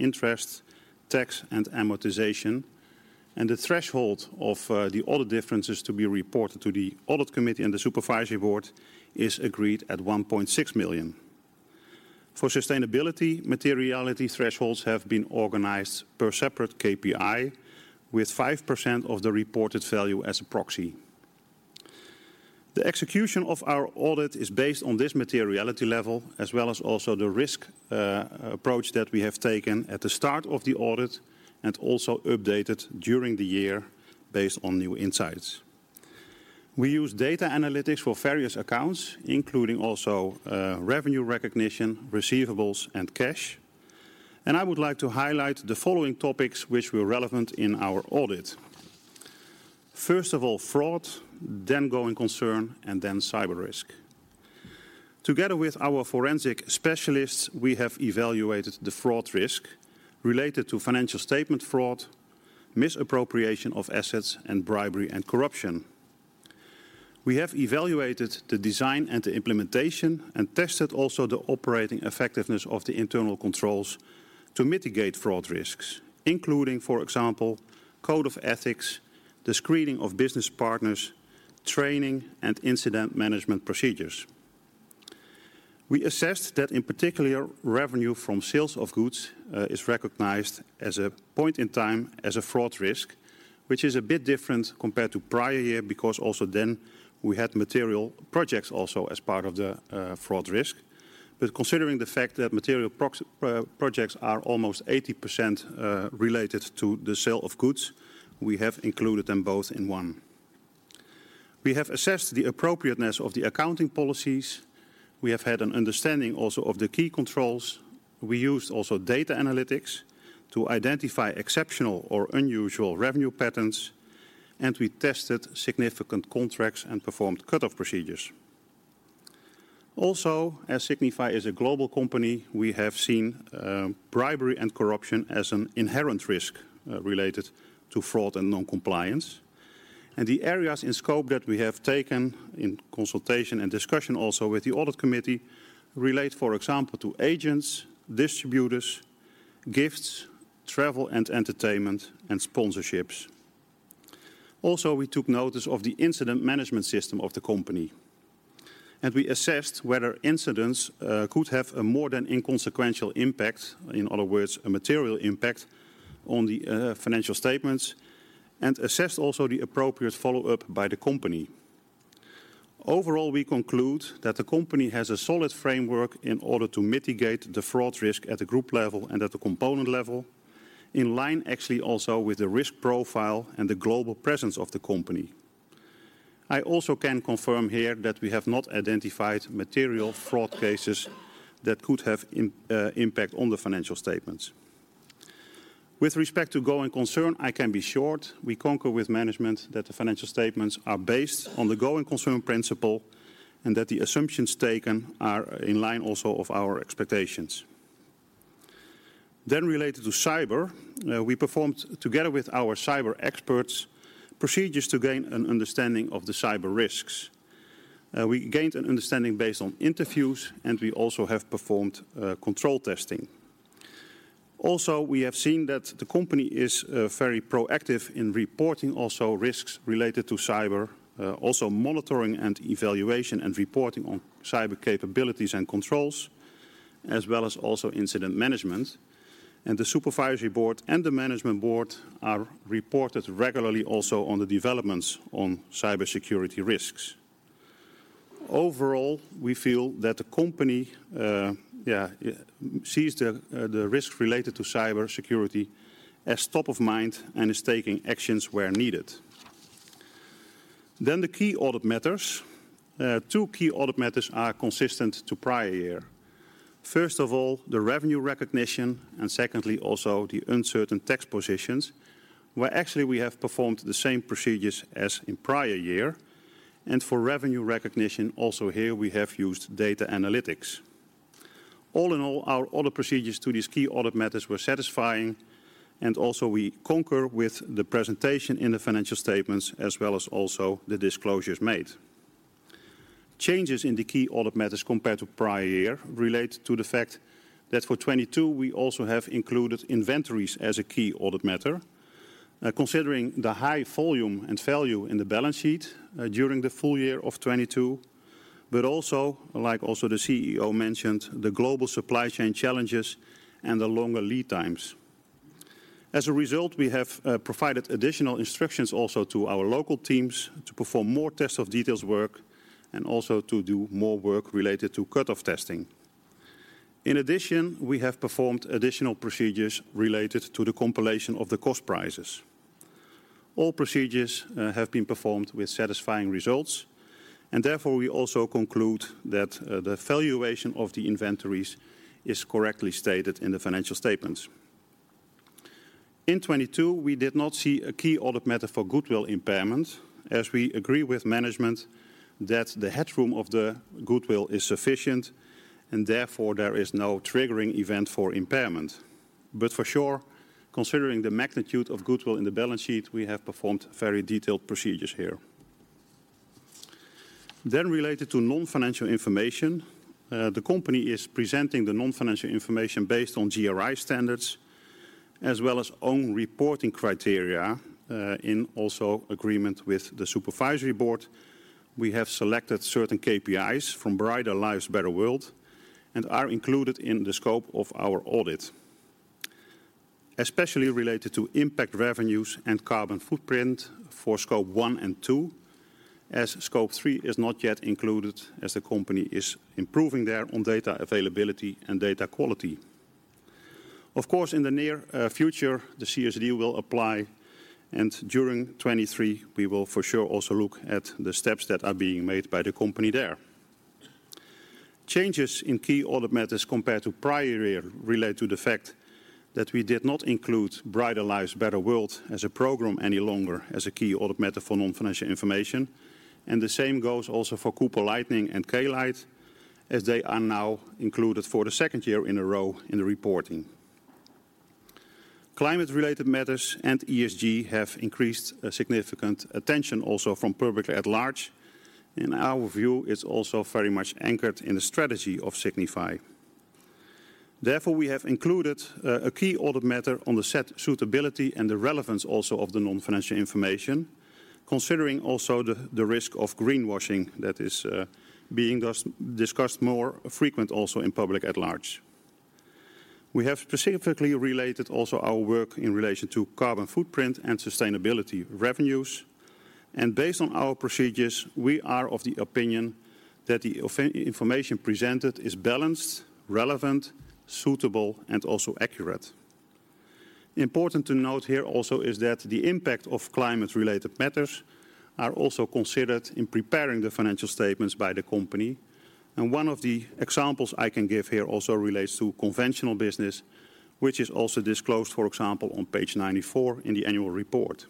The threshold of the audit differences to be reported to the Audit Committee and the Supervisory Board is agreed at 1.6 million. For sustainability, materiality thresholds have been organized per separate KPI with 5% of the reported value as a proxy. The execution of our audit is based on this materiality level, as well as also the risk approach that we have taken at the start of the audit and also updated during the year based on new insights. We use data analytics for various accounts, including also revenue recognition, receivables, and cash. I would like to highlight the following topics which were relevant in our audit. First of all, fraud, then going concern, and then cyber risk. Together with our forensic specialists, we have evaluated the fraud risk related to financial statement fraud, misappropriation of assets, and bribery and corruption. We have evaluated the design and the implementation and tested also the operating effectiveness of the internal controls to mitigate fraud risks, including, for example, code of ethics, the screening of business partners, training, and incident management procedures. We assessed that in particular revenue from sales of goods is recognized as a point in time as a fraud risk, which is a bit different compared to prior year because also then we had material projects also as part of the fraud risk. Considering the fact that material projects are almost 80% related to the sale of goods, we have included them both in one. We have assessed the appropriateness of the accounting policies. We have had an understanding also of the key controls. We used also data analytics to identify exceptional or unusual revenue patterns, and we tested significant contracts and performed cutoff procedures. Also, as Signify is a global company, we have seen bribery and corruption as an inherent risk related to fraud and non-compliance. The areas in scope that we have taken in consultation and discussion also with the audit committee relate, for example, to agents, distributors, gifts, travel and entertainment, and sponsorships. Also, we took notice of the incident management system of the company, and we assessed whether incidents could have a more than inconsequential impact, in other words, a material impact on the financial statements and assessed also the appropriate follow-up by the company. Overall, we conclude that the company has a solid framework in order to mitigate the fraud risk at the group level and at the component level, in line actually also with the risk profile and the global presence of the company. I also can confirm here that we have not identified material fraud cases that could have impact on the financial statements. With respect to going concern, I can be short. We concur with management that the financial statements are based on the going concern principle and that the assumptions taken are in line also of our expectations. Related to cyber, we performed together with our cyber experts, procedures to gain an understanding of the cyber risks. We gained an understanding based on interviews, we also have performed control testing. Also, we have seen that the company is very proactive in reporting also risks related to cyber, also monitoring and evaluation and reporting on cyber capabilities and controls, as well as also incident management. The Supervisory Board and the Management Board are reported regularly also on the developments on cybersecurity risks. Overall, we feel that the company sees the risks related to cybersecurity as top of mind and is taking actions where needed. The key audit matters. Two key audit matters are consistent to prior year. First of all, the revenue recognition, and secondly also the uncertain tax positions, where actually we have performed the same procedures as in prior year. For revenue recognition, also here we have used data analytics. All in all, our audit procedures to these key audit matters were satisfying, and also we concur with the presentation in the financial statements, as well as also the disclosures made. Changes in the key audit matters compared to prior year relate to the fact that for 2022, we also have included inventories as a key audit matter, considering the high volume and value in the balance sheet, during the full year of 2022, but also, like also the CEO mentioned, the global supply chain challenges and the longer lead times. As a result, we have provided additional instructions also to our local teams to perform more tests of details work and also to do more work related to cutoff testing. In addition, we have performed additional procedures related to the compilation of the cost prices. All procedures have been performed with satisfying results, and therefore we also conclude that the valuation of the inventories is correctly stated in the financial statements. In 2022, we did not see a key audit matter for goodwill impairment, as we agree with management that the headroom of the goodwill is sufficient and therefore there is no triggering event for impairment. For sure, considering the magnitude of goodwill in the balance sheet, we have performed very detailed procedures here. Related to non-financial information, the company is presenting the non-financial information based on GRI standards as well as own reporting criteria. In also agreement with the supervisory board, we have selected certain KPIs from Brighter Lives, Better World and are included in the scope of our audit, especially related to impact revenues and carbon footprint for Scope 1 and 2 as Scope 3 is not yet included as the company is improving there on data availability and data quality. Of course, in the near future, the CSD will apply, and during 2023 we will for sure also look at the steps that are being made by the company there. Changes in key audit matters compared to prior year relate to the fact that we did not include Brighter Lives, Better World as a program any longer as a key audit matter for non-financial information. The same goes also for Cooper Lighting and Klite Lighting as they are now included for the second year in a row in the reporting. Climate-related matters and ESG have increased significant attention also from public at large. In our view, it's also very much anchored in the strategy of Signify. Therefore, we have included a key audit matter on the set sustainability and the relevance also of the non-financial information, considering also the risk of greenwashing that is being discussed more frequent also in public at large. We have specifically related also our work in relation to carbon footprint and sustainability revenues, and based on our procedures, we are of the opinion that the information presented is balanced, relevant, suitable, and also accurate. Important to note here also is that the impact of climate-related matters are also considered in preparing the financial statements by the company. One of the examples I can give here also relates to conventional business, which is also disclosed, for example, on Page 94 in the annual report.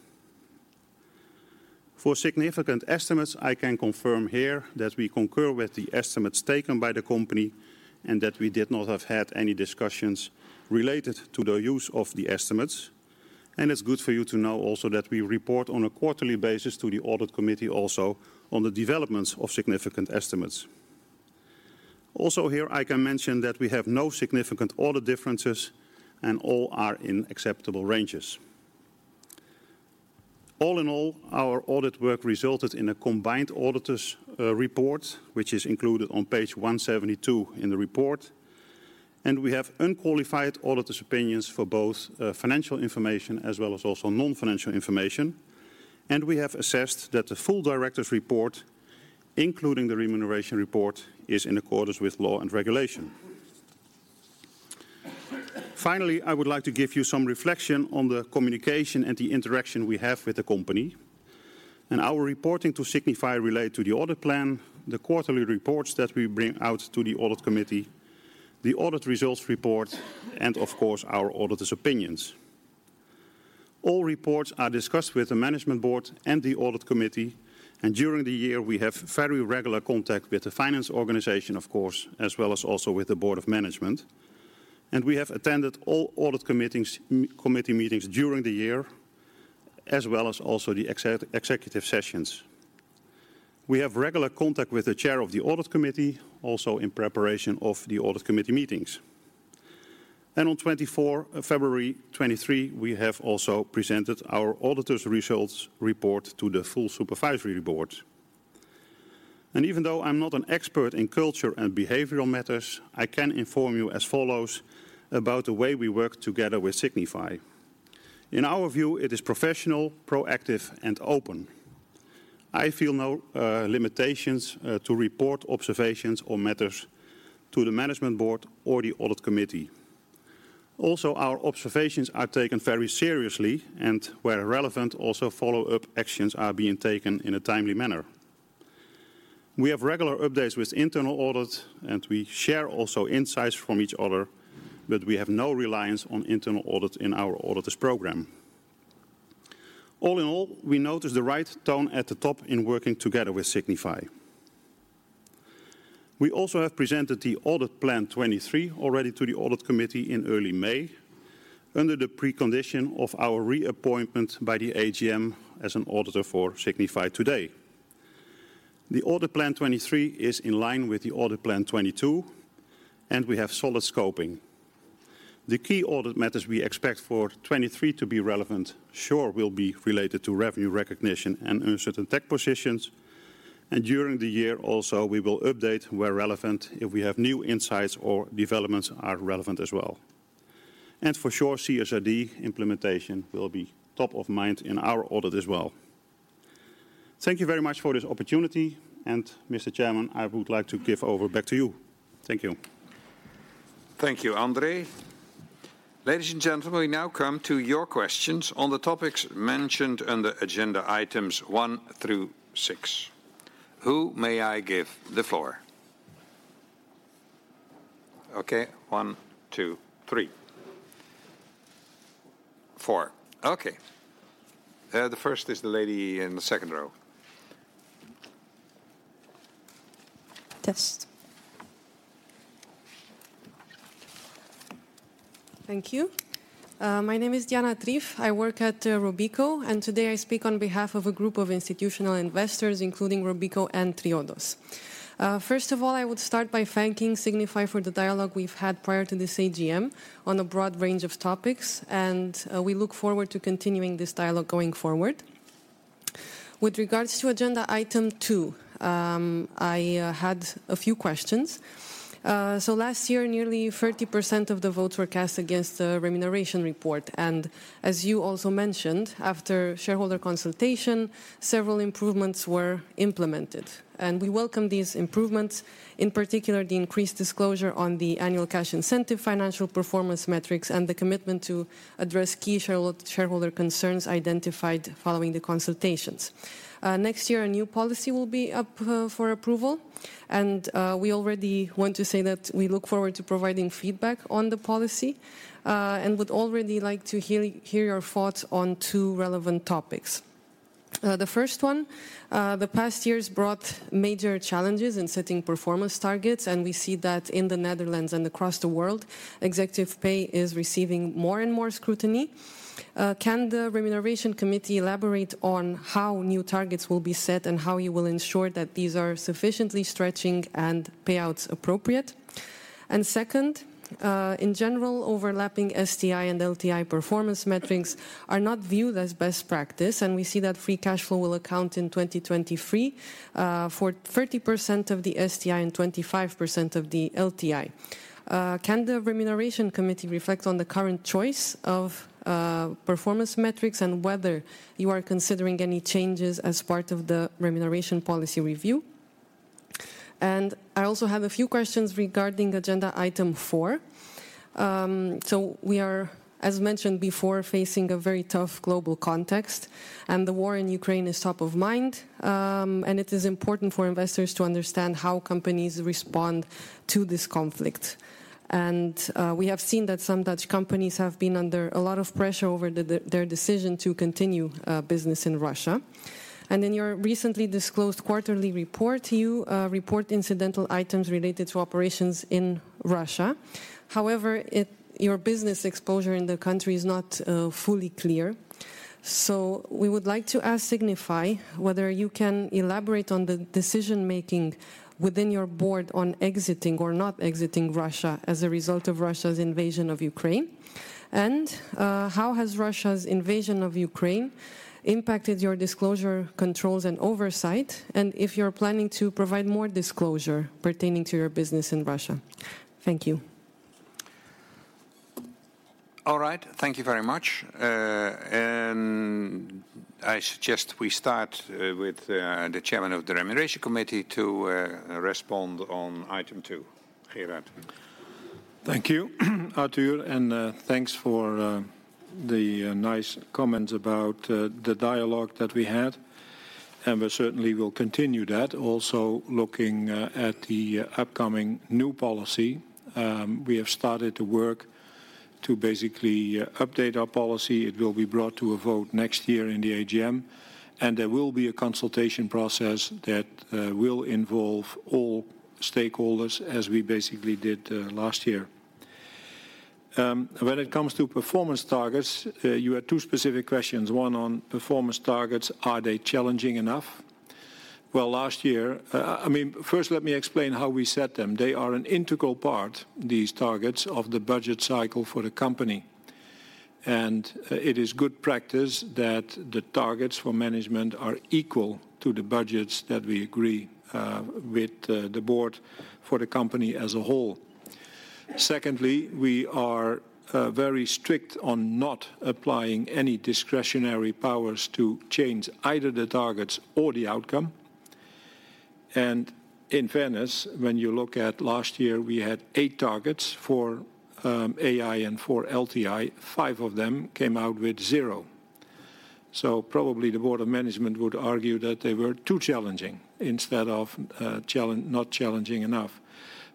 For significant estimates, I can confirm here that we concur with the estimates taken by the company and that we did not have any discussions related to the use of the estimates. It's good for you to know also that we report on a quarterly basis to the audit committee also on the developments of significant estimates. Here I can mention that we have no significant audit differences and all are in acceptable ranges. All in all, our audit work resulted in a combined auditor's report which is included on Page 172 in the report. We have unqualified auditor's opinions for both financial information as well as also non-financial information. We have assessed that the full director's report, including the remuneration report, is in accordance with law and regulation. Finally, I would like to give you some reflection on the communication and the interaction we have with the company. Our reporting to Signify relate to the audit plan, the quarterly reports that we bring out to the audit committee, the audit results report, and of course our auditor's opinions. All reports are discussed with the management board and the audit committee. During the year we have very regular contact with the finance organization, of course, as well as also with the board of management. We have attended all audit committee meetings during the year, as well as also the executive sessions. We have regular contact with the chair of the audit committee, also in preparation of the audit committee meetings. On 24th February 2023, we have also presented our auditor's results report to the full supervisory board. Even though I'm not an expert in culture and behavioral matters, I can inform you as follows about the way we work together with Signify. In our view, it is professional, proactive, and open. I feel no limitations to report observations or matters to the management board or the audit committee. Our observations are taken very seriously and where relevant also follow-up actions are being taken in a timely manner. We have regular updates with internal audit, and we share also insights from each other, but we have no reliance on internal audit in our auditor's program. All in all, we notice the right tone at the top in working together with Signify. We also have presented the audit plan 2023 already to the audit committee in early May under the precondition of our reappointment by the AGM as an auditor for Signify today. The audit plan 2023 is in line with the audit plan 2022, and we have solid scoping. The key audit matters we expect for 2023 to be relevant sure will be related to revenue recognition and uncertain tax positions. During the year also we will update where relevant if we have new insights or developments are relevant as well. For sure, CSRD implementation will be top of mind in our audit as well. Thank you very much for this opportunity. Mr. Chairman, I would like to give over back to you. Thank you. Thank you, André. Ladies and gentlemen, we now come to your questions on the topics mentioned on the agenda items one through six. Who may I give the floor? Okay. One, two, three. Four. Okay. The first is the lady in the second row. Test. Thank you. My name is Diana de Wolff. I work at Robeco, today I speak on behalf of a group of institutional investors, including Robeco and Triodos. First of all, I would start by thanking Signify for the dialogue we've had prior to this AGM on a broad range of topics, we look forward to continuing this dialogue going forward. With regards to Item 2, i had a few questions. Last year, nearly 30% of the votes were cast against the remuneration report. As you also mentioned, after shareholder consultation, several improvements were implemented. We welcome these improvements, in particular the increased disclosure on the annual cash incentive, financial performance metrics, and the commitment to address key shareholder concerns identified following the consultations. Next year a new policy will be up for approval, and we already want to say that we look forward to providing feedback on the policy and would already like to hear your thoughts on two relevant topics. The first one, the past years brought major challenges in setting performance targets. We see that in the Netherlands and across the world executive pay is receiving more and more scrutiny. Can the Remuneration Committee elaborate on how new targets will be set and how you will ensure that these are sufficiently stretching and payouts appropriate? Second, in general, overlapping STI and LTI performance metrics are not viewed as best practice. We see that free cash flow will account in 2023 for 30% of the STI and 25% of the LTI. Can the Remuneration Committee reflect on the current choice of performance metrics and whether you are considering any changes as part of the remuneration policy review? I also have a few questions regarding agenda item four. We are, as mentioned before, facing a very tough global context, and the war in Ukraine is top of mind. It is important for investors to understand how companies respond to this conflict. We have seen that some Dutch companies have been under a lot of pressure over their decision to continue business in Russia. In your recently disclosed quarterly report, you report incidental items related to operations in Russia. However, your business exposure in the country is not fully clear. We would like to ask Signify whether you can elaborate on the decision-making within your board on exiting or not exiting Russia as a result of Russia's invasion of Ukraine. How has Russia's invasion of Ukraine impacted your disclosure controls and oversight, and if you're planning to provide more disclosure pertaining to your business in Russia? Thank you. All right. Thank you very much. I suggest we start with the chairman of the Remuneration Committee to respond on Item 2. Gerard. Thank you, Arthur, and thanks for the nice comments about the dialogue that we had, and we certainly will continue that. Looking at the upcoming new policy, we have started to work to basically update our policy. It will be brought to a vote next year in the AGM. There will be a consultation process that will involve all stakeholders, as we basically did last year. When it comes to performance targets, you had two specific questions. One on performance targets. Are they challenging enough? Last year... I mean, first let me explain how we set them. They are an integral part, these targets, of the budget cycle for the company. It is good practice that the targets for management are equal to the budgets that we agree with the board for the company as a whole. Secondly, we are very strict on not applying any discretionary powers to change either the targets or the outcome. In fairness, when you look at last year, we had 8 targets for STI and for LTI. 5 of them came out with 0. Probably the Board of Management would argue that they were too challenging instead of not challenging enough.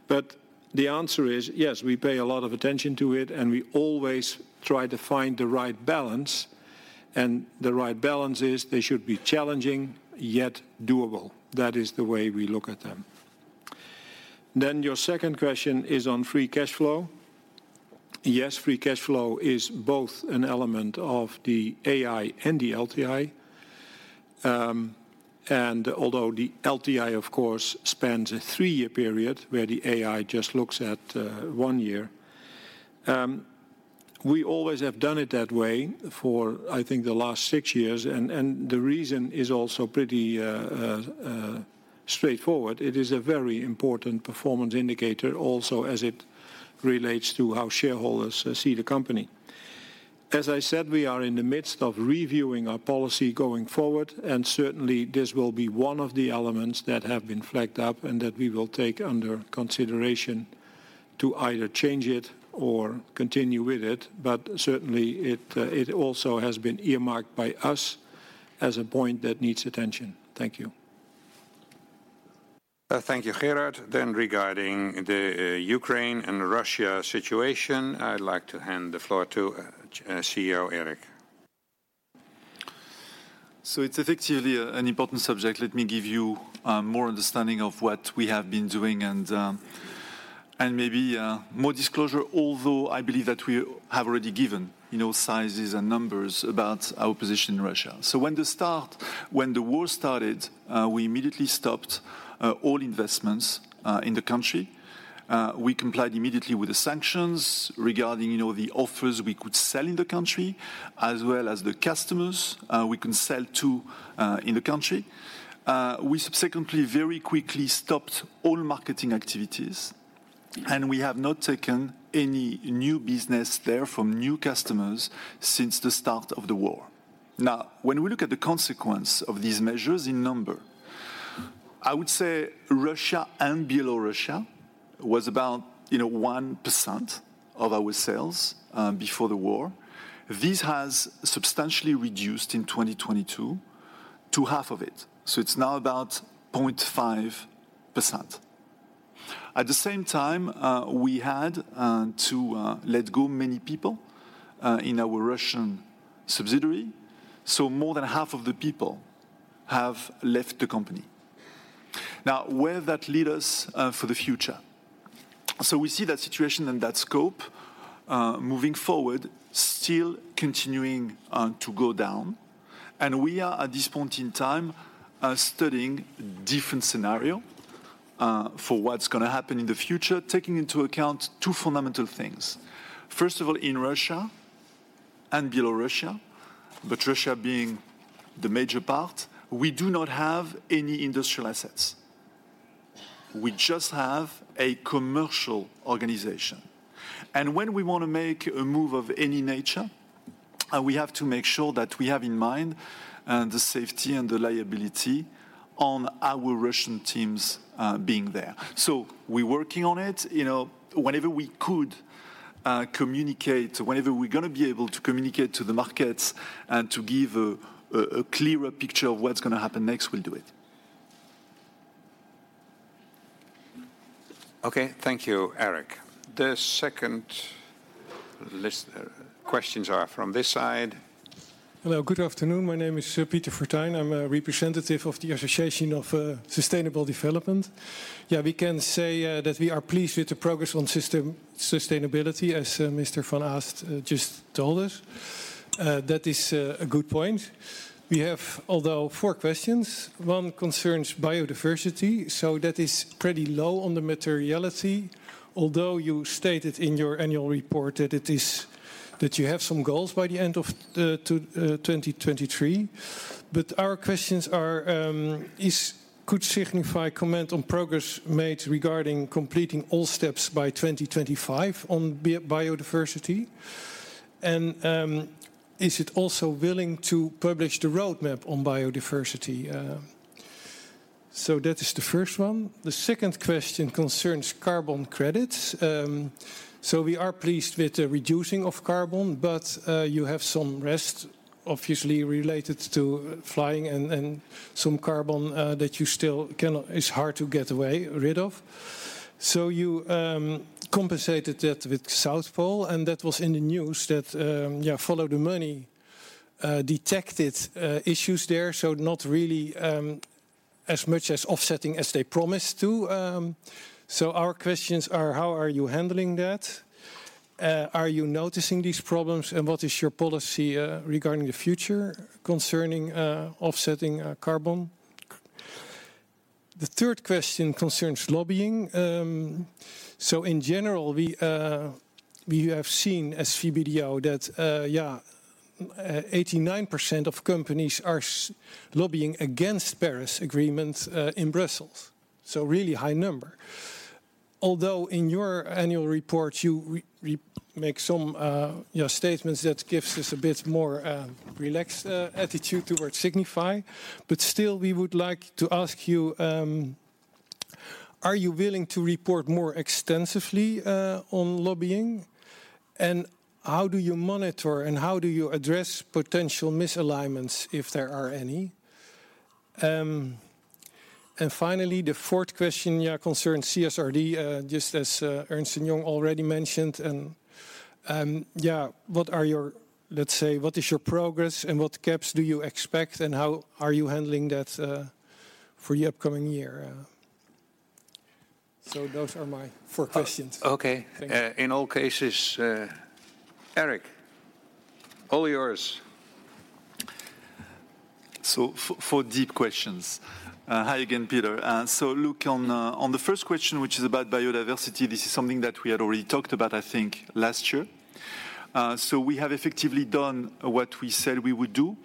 The answer is yes, we pay a lot of attention to it, and we always try to find the right balance, and the right balance is they should be challenging, yet doable. That is the way we look at them. Your second question is on free cash flow. Yes, free cash flow is both an element of the AI and the LTI. Although the LTI of course spans a three-year period, where the AI just looks at one year. We always have done it that way for, I think, the last six years. The reason is also pretty straightforward. It is a very important performance indicator also as it relates to how shareholders see the company. As I said, we are in the midst of reviewing our policy going forward. Certainly this will be one of the elements that have been flagged up and that we will take under consideration to either change it or continue with it. Certainly, it also has been earmarked by us as a point that needs attention. Thank you. Thank you, Gerard. Regarding the Ukraine and Russia situation, I'd like to hand the floor to CEO Eric. It's effectively an important subject. Let me give you more understanding of what we have been doing and maybe more disclosure, although I believe that we have already given, you know, sizes and numbers about our position in Russia. When the war started, we immediately stopped all investments in the country. We complied immediately with the sanctions regarding, you know, the offers we could sell in the country, as well as the customers we can sell to in the country. We subsequently very quickly stopped all marketing activities, and we have not taken any new business there from new customers since the start of the war. When we look at the consequence of these measures in number, I would say Russia and below Russia was about, you know, 1% of our sales before the war. This has substantially reduced in 2022 to half of it, so it's now about 0.5%. At the same time, we had to let go many people in our Russian subsidiary, so more than half of the people have left the company. Where that lead us for the future? We see that situation and that scope moving forward, still continuing to go down. We are at this point in time studying different scenario for what's going to happen in the future, taking into account 2 fundamental things. First of all, in Russia and below Russia, but Russia being the major part, we do not have any industrial assets. We just have a commercial organization. When we wanna make a move of any nature. We have to make sure that we have in mind the safety and the liability on our Russian teams being there. We working on it. You know, whenever we could communicate, whenever we're gonna be able to communicate to the markets and to give a clearer picture of what's gonna happen next, we'll do it. Okay. Thank you, Eric. The second list, questions are from this side. Hello. Good afternoon. My name is Peter Vertegaal. I'm a representative of the Association of Sustainable Development. We can say that we are pleased with the progress on system sustainability as Mr. Van Ast just told us. That is a good point. We have, although, 4 questions. 1 concerns biodiversity. That is pretty low on the materiality, although you stated in your annual report that it is, that you have some goals by the end of 2023. Our questions are, could Signify comment on progress made regarding completing all steps by 2025 on biodiversity? Is it also willing to publish the roadmap on biodiversity? That is the first one. The second question concerns carbon credits. We are pleased with the reducing of carbon, but you have some rest obviously related to flying and some carbon that you still is hard to get away, rid of. You compensated that with South Pole, that was in the news that Follow the Money detected issues there, not really as much as offsetting as they promised to. Our questions are, how are you handling that? Are you noticing these problems? What is your policy regarding the future concerning offsetting carbon? The third question concerns lobbying. In general, we have seen as VBDO that 89% of companies are lobbying against Paris Agreement in Brussels, really high number. In your annual report, you make some, you know, statements that gives us a bit more relaxed attitude towards Signify. Still, we would like to ask you, are you willing to report more extensively on lobbying? How do you monitor and how do you address potential misalignments, if there are any? Finally, the fourth question concerns CSRD, just as Ernst & Young already mentioned. What are your, what is your progress and what gaps do you expect, and how are you handling that for the upcoming year? Those are my four questions. Oh, okay. Thank you. In all cases, Eric, all yours. Four deep questions. Hi again, Peter. Look, on the first question, which is about biodiversity, this is something that we had already talked about, I think, last year. We have effectively done what we said we would do,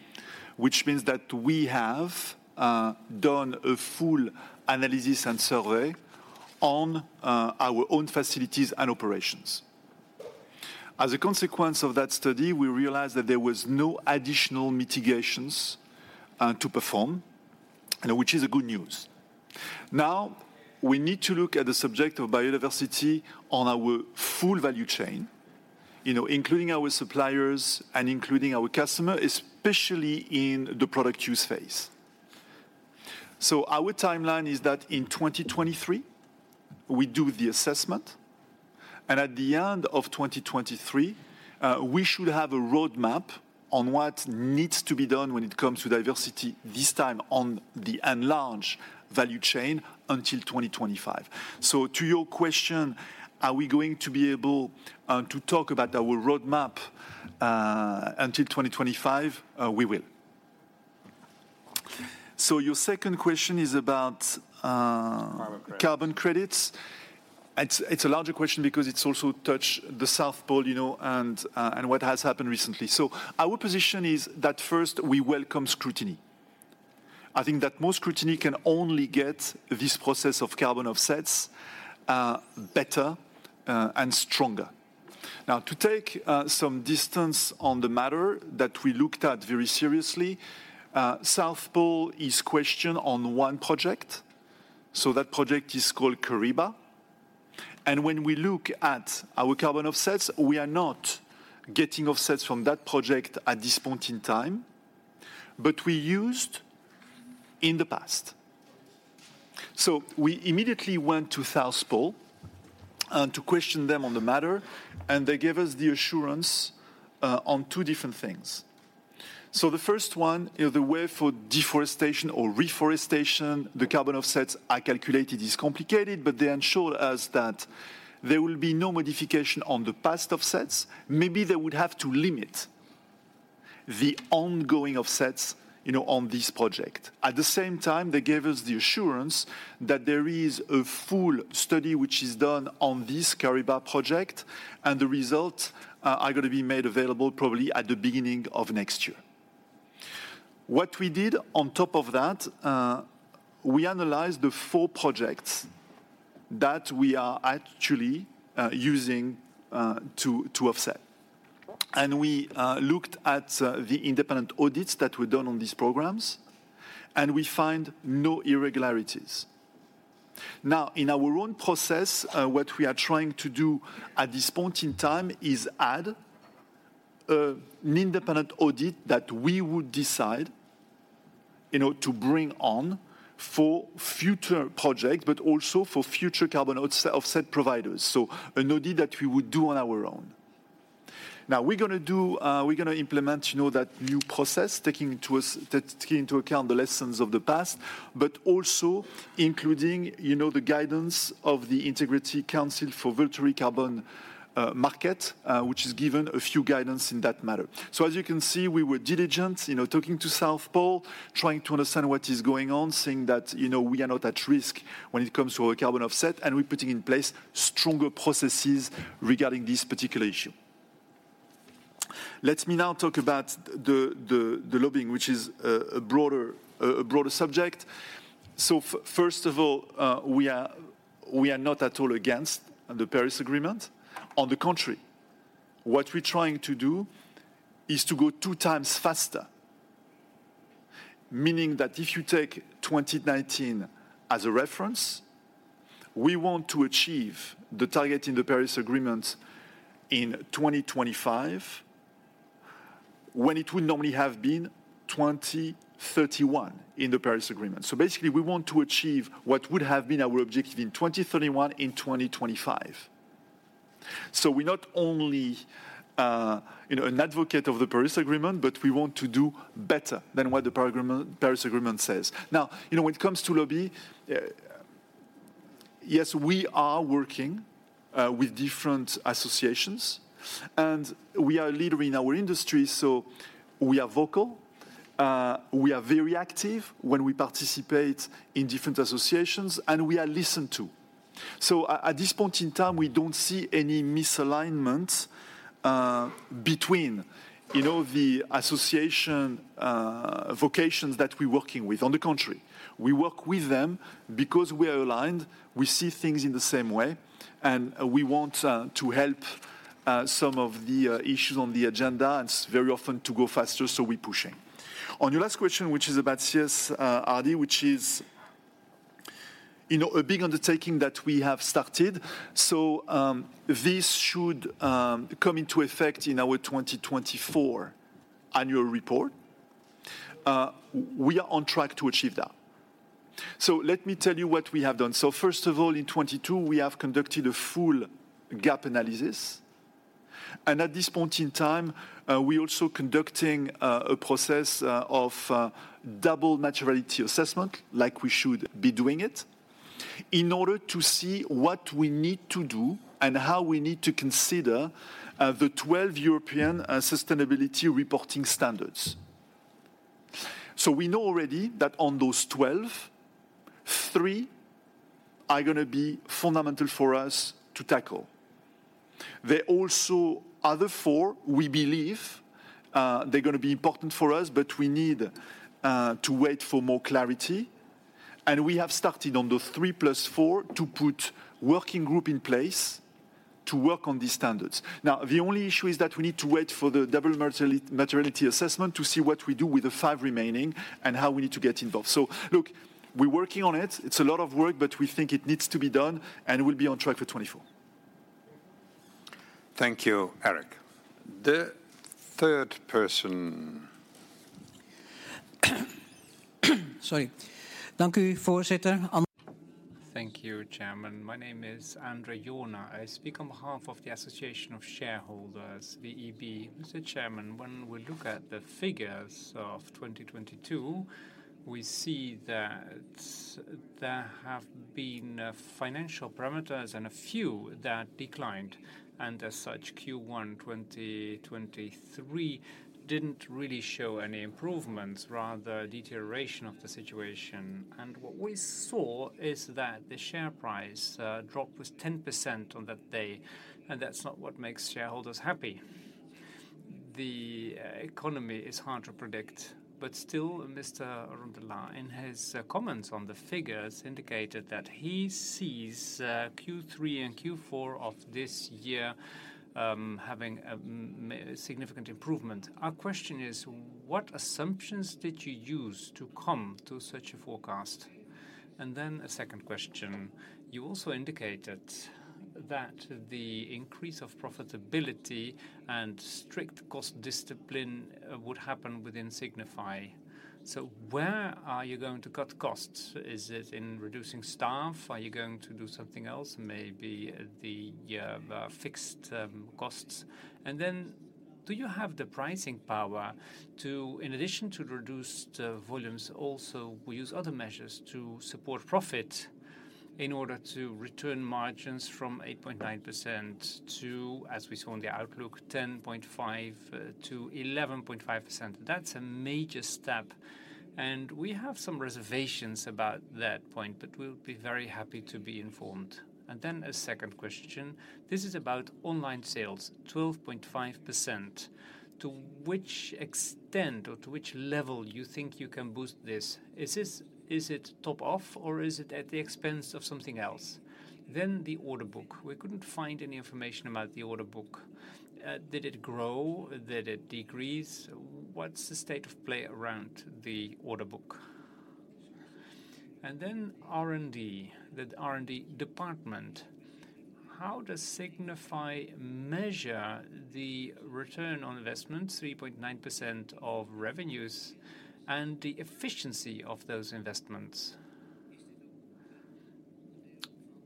which means that we have done a full analysis and survey on our own facilities and operations. As a consequence of that study, we realized that there was no additional mitigations to perform, which is a good news. Now, we need to look at the subject of biodiversity on our full value chain, you know, including our suppliers and including our customer, especially in the product use phase. Our timeline is that in 2023, we do the assessment, and at the end of 2023, we should have a roadmap on what needs to be done when it comes to diversity, this time on the enlarged value chain until 2025. To your question, are we going to be able to talk about our roadmap until 2025? We will. Your second question is about. Carbon credits ... carbon credits. It's a larger question because it's also touched the South Pole, you know, and what has happened recently. Our position is that first we welcome scrutiny. I think that more scrutiny can only get this process of carbon offsets, better, and stronger. To take some distance on the matter that we looked at very seriously, South Pole is questioned on one project, so that project is called Kariba. When we look at our carbon offsets, we are not getting offsets from that project at this point in time, but we used in the past. We immediately went to South Pole, to question them on the matter, and they gave us the assurance on two different things. The first one is the way for deforestation or reforestation, the carbon offsets are calculated is complicated, but they ensure us that there will be no modification on the past offsets. Maybe they would have to limit the ongoing offsets, you know, on this project. At the same time, they gave us the assurance that there is a full study which is done on this Kariba project, and the results are gonna be made available probably at the beginning of next year. What we did on top of that, we analyzed the four projects that we are actually using to offset. We looked at the independent audits that were done on these programs, and we find no irregularities. In our own process, what we are trying to do at this point in time is add an independent audit that we would decide, you know, to bring on for future projects, but also for future carbon out-offset providers. An audit that we would do on our own. We're gonna implement, you know, that new process, taking into account the lessons of the past, but also including, you know, the guidance of the Integrity Council for Voluntary Carbon Market, which has given a few guidance in that matter. As you can see, we were diligent, you know, talking to South Pole, trying to understand what is going on, saying that, you know, we are not at risk when it comes to our carbon offset, and we're putting in place stronger processes regarding this particular issue. Let me now talk about the lobbying, which is a broader subject. First of all, we are not at all against the Paris Agreement. On the contrary, what we're trying to do is to go 2x faster. Meaning that if you take 2019 as a reference, we want to achieve the target in the Paris Agreement in 2025, when it would normally have been 2031 in the Paris Agreement. Basically, we want to achieve what would have been our objective in 2031 in 2025. We're not only, you know, an advocate of the Paris Agreement, but we want to do better than what the Paris Agreement says. Now, you know, when it comes to lobby, yes, we are working with different associations. We are a leader in our industry, so we are vocal, we are very active when we participate in different associations, and we are listened to. At this point in time, we don't see any misalignment between, you know, the association vocations that we're working with. On the contrary, we work with them because we are aligned, we see things in the same way, and we want to help some of the issues on the agenda, and it's very often to go faster, so we're pushing. On your last question, which is about CSRD, which is, you know, a big undertaking that we have started. This should come into effect in our 2024 annual report. We are on track to achieve that. Let me tell you what we have done. First of all, in 2022, we have conducted a full gap analysis. At this point in time, we're also conducting a process of double materiality assessment, like we should be doing it, in order to see what we need to do and how we need to consider the 12 European sustainability reporting standards. We know already that on those 12, three are gonna be fundamental for us to tackle. There also other four we believe, they're gonna be important for us, but we need to wait for more clarity. We have started on the 3+ four to put working group in place to work on these standards. The only issue is that we need to wait for the double materiality assessment to see what we do with the five remaining and how we need to get involved. We're working on it. It's a lot of work, but we think it needs to be done, and we'll be on track for 2024. Thank you, Eric. The third person. Sorry. Thank you, Chairman. My name is André Jorna. I speak on behalf of the Association of Shareholders, the VEB. Mr. Chairman, when we look at the figures of 2022, we see that there have been financial parameters and a few that declined. As such, Q1 2023 didn't really show any improvements, rather deterioration of the situation. What we saw is that the share price dropped was 10% on that day, and that's not what makes shareholders happy. The economy is hard to predict, still, Mr. Rondolat, in his comments on the figures, indicated that he sees Q3 and Q4 of this year having a significant improvement. Our question is, what assumptions did you use to come to such a forecast? Then a second question. You also indicated that the increase of profitability and strict cost discipline would happen within Signify. Where are you going to cut costs? Is it in reducing staff? Are you going to do something else? Maybe the fixed costs. Do you have the pricing power to, in addition to reduced volumes, also use other measures to support profit in order to return margins from 8.9% to, as we saw on the outlook, 10.5%-11.5%? That's a major step. We have some reservations about that point, but we'll be very happy to be informed. A second question. This is about online sales, 12.5%. To which extent or to which level you think you can boost this? Is it top off or is it at the expense of something else? The order book. We couldn't find any information about the order book. Did it grow? Did it decrease? What's the state of play around the order book? R&D, the R&D department. How does Signify measure the ROI, 3.9% of revenues, and the efficiency of those investments?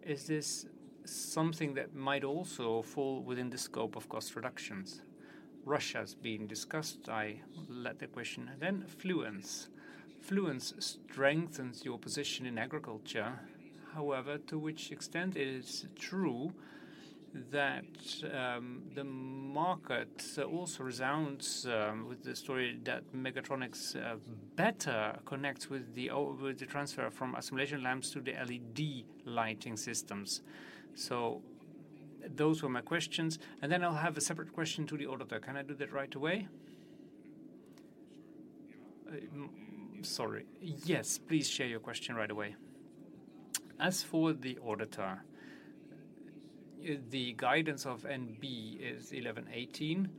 Is this something that might also fall within the scope of cost reductions? Russia has been discussed. I let the question... Fluence. Fluence strengthens your position in agriculture. To which extent it is true that the market also resounds with the story that Megatronix better connects with the transfer from assimilation lamps to the LED lighting systems. Those were my questions. Then I'll have a separate question to the auditor. Can I do that right away? Sure. Sorry. Yes, please share your question right away. As for the auditor, the guidance of NB is 1118,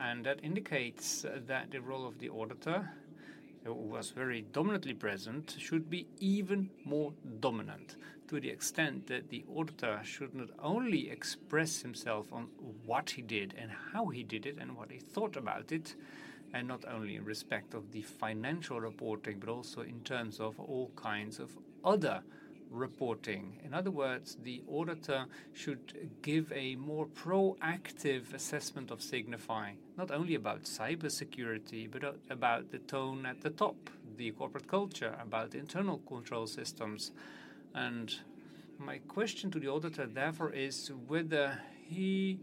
and that indicates that the role of the auditor, who was very dominantly present, should be even more dominant to the extent that the auditor should not only express himself on what he did and how he did it and what he thought about it, and not only in respect of the financial reporting, but also in terms of all kinds of other reporting. In other words, the auditor should give a more proactive assessment of Signify, not only about cybersecurity, but about the tone at the top, the corporate culture, about internal control systems. My question to the auditor, therefore, is whether he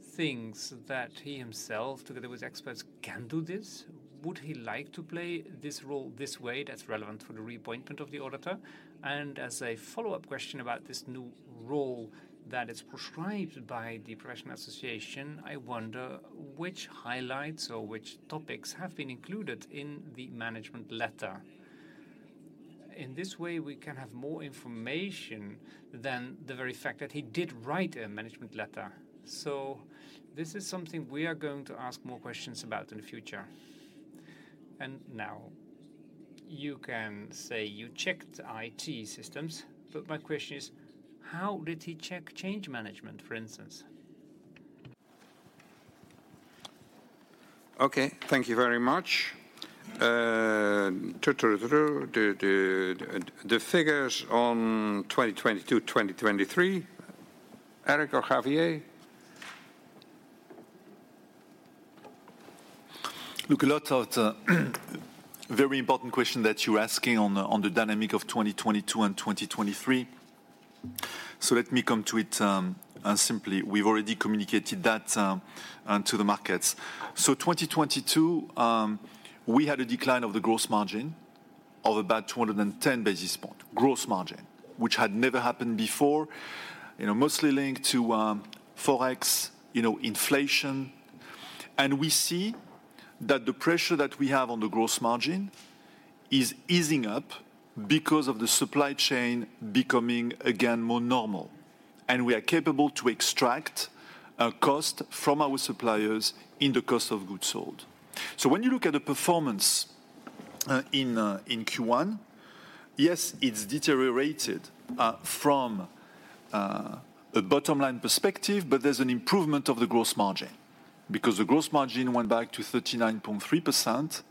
thinks that he himself, together with experts, can do this. Would he like to play this role this way? That's relevant for the reappointment of the auditor. As a follow-up question about this new role that is prescribed by the Professional Association, I wonder which highlights or which topics have been included in the management letter. In this way, we can have more information than the very fact that he did write a management letter. This is something we are going to ask more questions about in the future. Now, you can say you checked IT systems, but my question is: How did he check change management, for instance? Okay. Thank you very much. The figures on 2022, 2023, Eric or Javier? Look, a lot of very important question that you're asking on the dynamic of 2022 and 2023. Let me come to it simply. We've already communicated that to the markets. 2022, we had a decline of the gross margin of about 210 basis point, gross margin, which had never happened before, you know, mostly linked to Forex, you know, inflation. We see that the pressure that we have on the gross margin is easing up because of the supply chain becoming again more normal, and we are capable to extract cost from our suppliers in the cost of goods sold. When you look at the performance in Q1, yes, it's deteriorated from a bottom line perspective, but there's an improvement of the gross margin because the gross margin went back to 39.3%,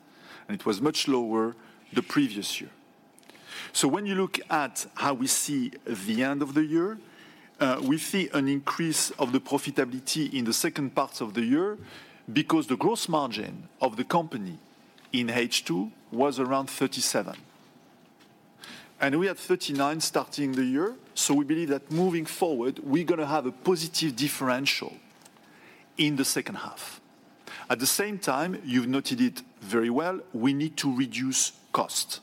and it was much lower the previous year. When you look at how we see the end of the year, we see an increase of the profitability in the second part of the year because the gross margin of the company in H2 was around 37%, and we had 39% starting the year. We believe that moving forward, we're gonna have a positive differential in the H2. At the same time, you've noted it very well, we need to reduce cost.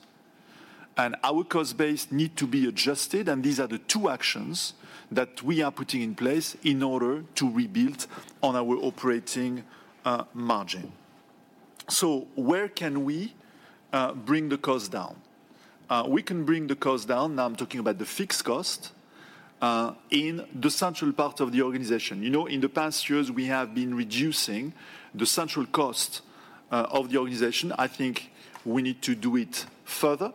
Our cost base need to be adjusted, and these are the two actions that we are putting in place in order to rebuild on our operating margin. Where can we bring the cost down? We can bring the cost down, now I'm talking about the fixed cost, in the central part of the organization. You know, in the past years, we have been reducing the central cost of the organization. I think we need to do it further,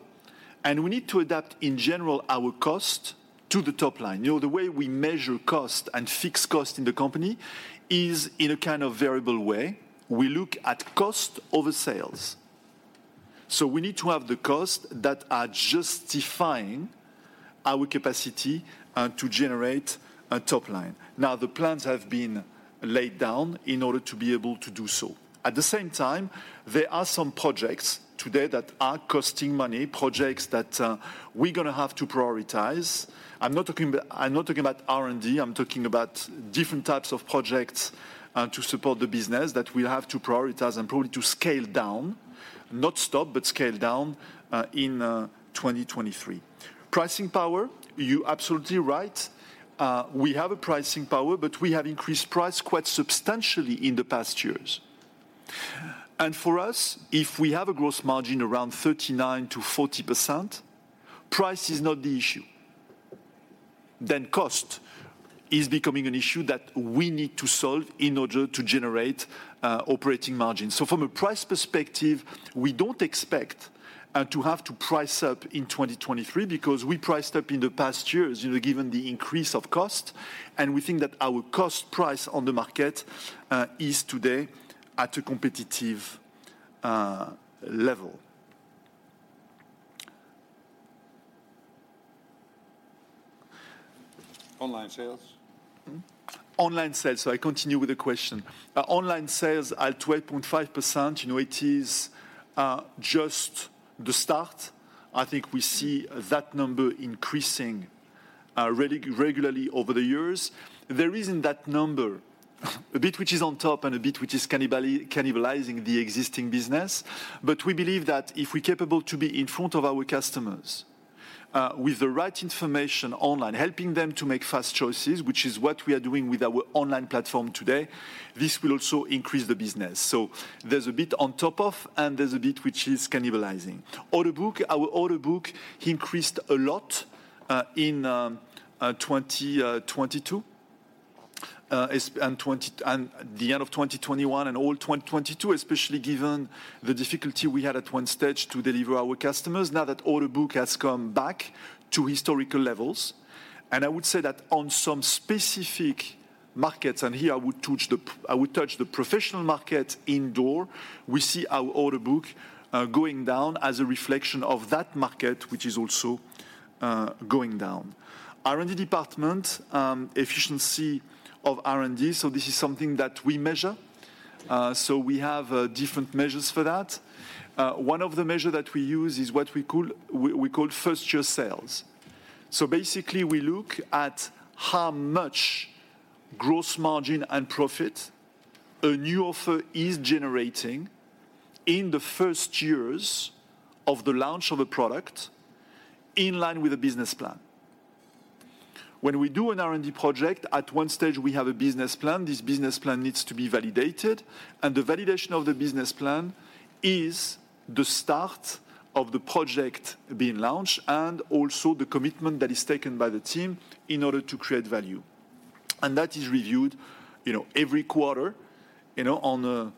and we need to adapt, in general, our cost to the top line. You know, the way we measure cost and fixed cost in the company is in a kind of variable way. We look at cost over sales. We need to have the costs that are justifying our capacity to generate a top line. The plans have been laid down in order to be able to do so. At the same time, there are some projects today that are costing money, projects that, we're gonna have to prioritize. I'm not talking about R&D, I'm talking about different types of projects, to support the business that we'll have to prioritize and probably to scale down. Not stop, but scale down, in 2023. Pricing power, you're absolutely right. We have a pricing power, but we have increased price quite substantially in the past years. For us, if we have a gross margin around 39%-40%, price is not the issue. Cost is becoming an issue that we need to solve in order to generate operating margin. From a price perspective, we don't expect to have to price up in 2023 because we priced up in the past years, you know, given the increase of cost, and we think that our cost price on the market is today at a competitive level. Online sales. Online sales, so I continue with the question. Online sales at 12.5%, you know, it is just the start. I think we see that number increasing regularly over the years. The reason that number, a bit which is on top and a bit which is cannibalizing the existing business, but we believe that if we're capable to be in front of our customers, with the right information online, helping them to make fast choices, which is what we are doing with our online platform today, this will also increase the business. There's a bit on top of, and there's a bit which is cannibalizing. Order book, our order book increased a lot in 2022, the end of 2021 and all 2022, especially given the difficulty we had at one stage to deliver our customers. Now that order book has come back to historical levels, and I would say that on some specific markets, and here I would touch the professional market indoor, we see our order book going down as a reflection of that market, which is also going down. R&D department. Efficiency of R&D. This is something that we measure. We have different measures for that. One of the measure that we use is what we call first year sales. Basically, we look at how much gross margin and profit a new offer is generating in the first years of the launch of a product in line with the business plan. When we do an R&D project, at one stage, we have a business plan. This business plan needs to be validated. The validation of the business plan is the start of the project being launched and also the commitment that is taken by the team in order to create value. That is reviewed, you know, every quarter, you know, on a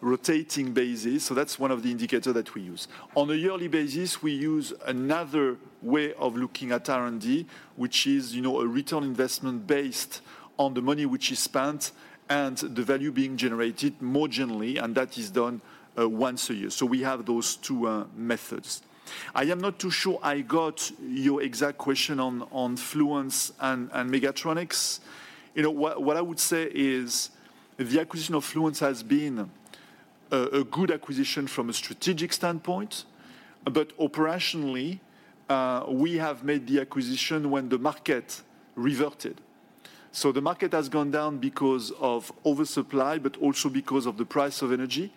rotating basis. That's one of the indicator that we use. On a yearly basis, we use another way of looking at R&D, which is, you know, a return investment based on the money which is spent and the value being generated more generally. That is done once a year. We have those two methods. I am not too sure I got your exact question on Fluence and Megatronix. You know, what I would say is the acquisition of Fluence has been a good acquisition from a strategic standpoint, but operationally, we have made the acquisition when the market reverted. The market has gone down because of oversupply, but also because of the price of energy.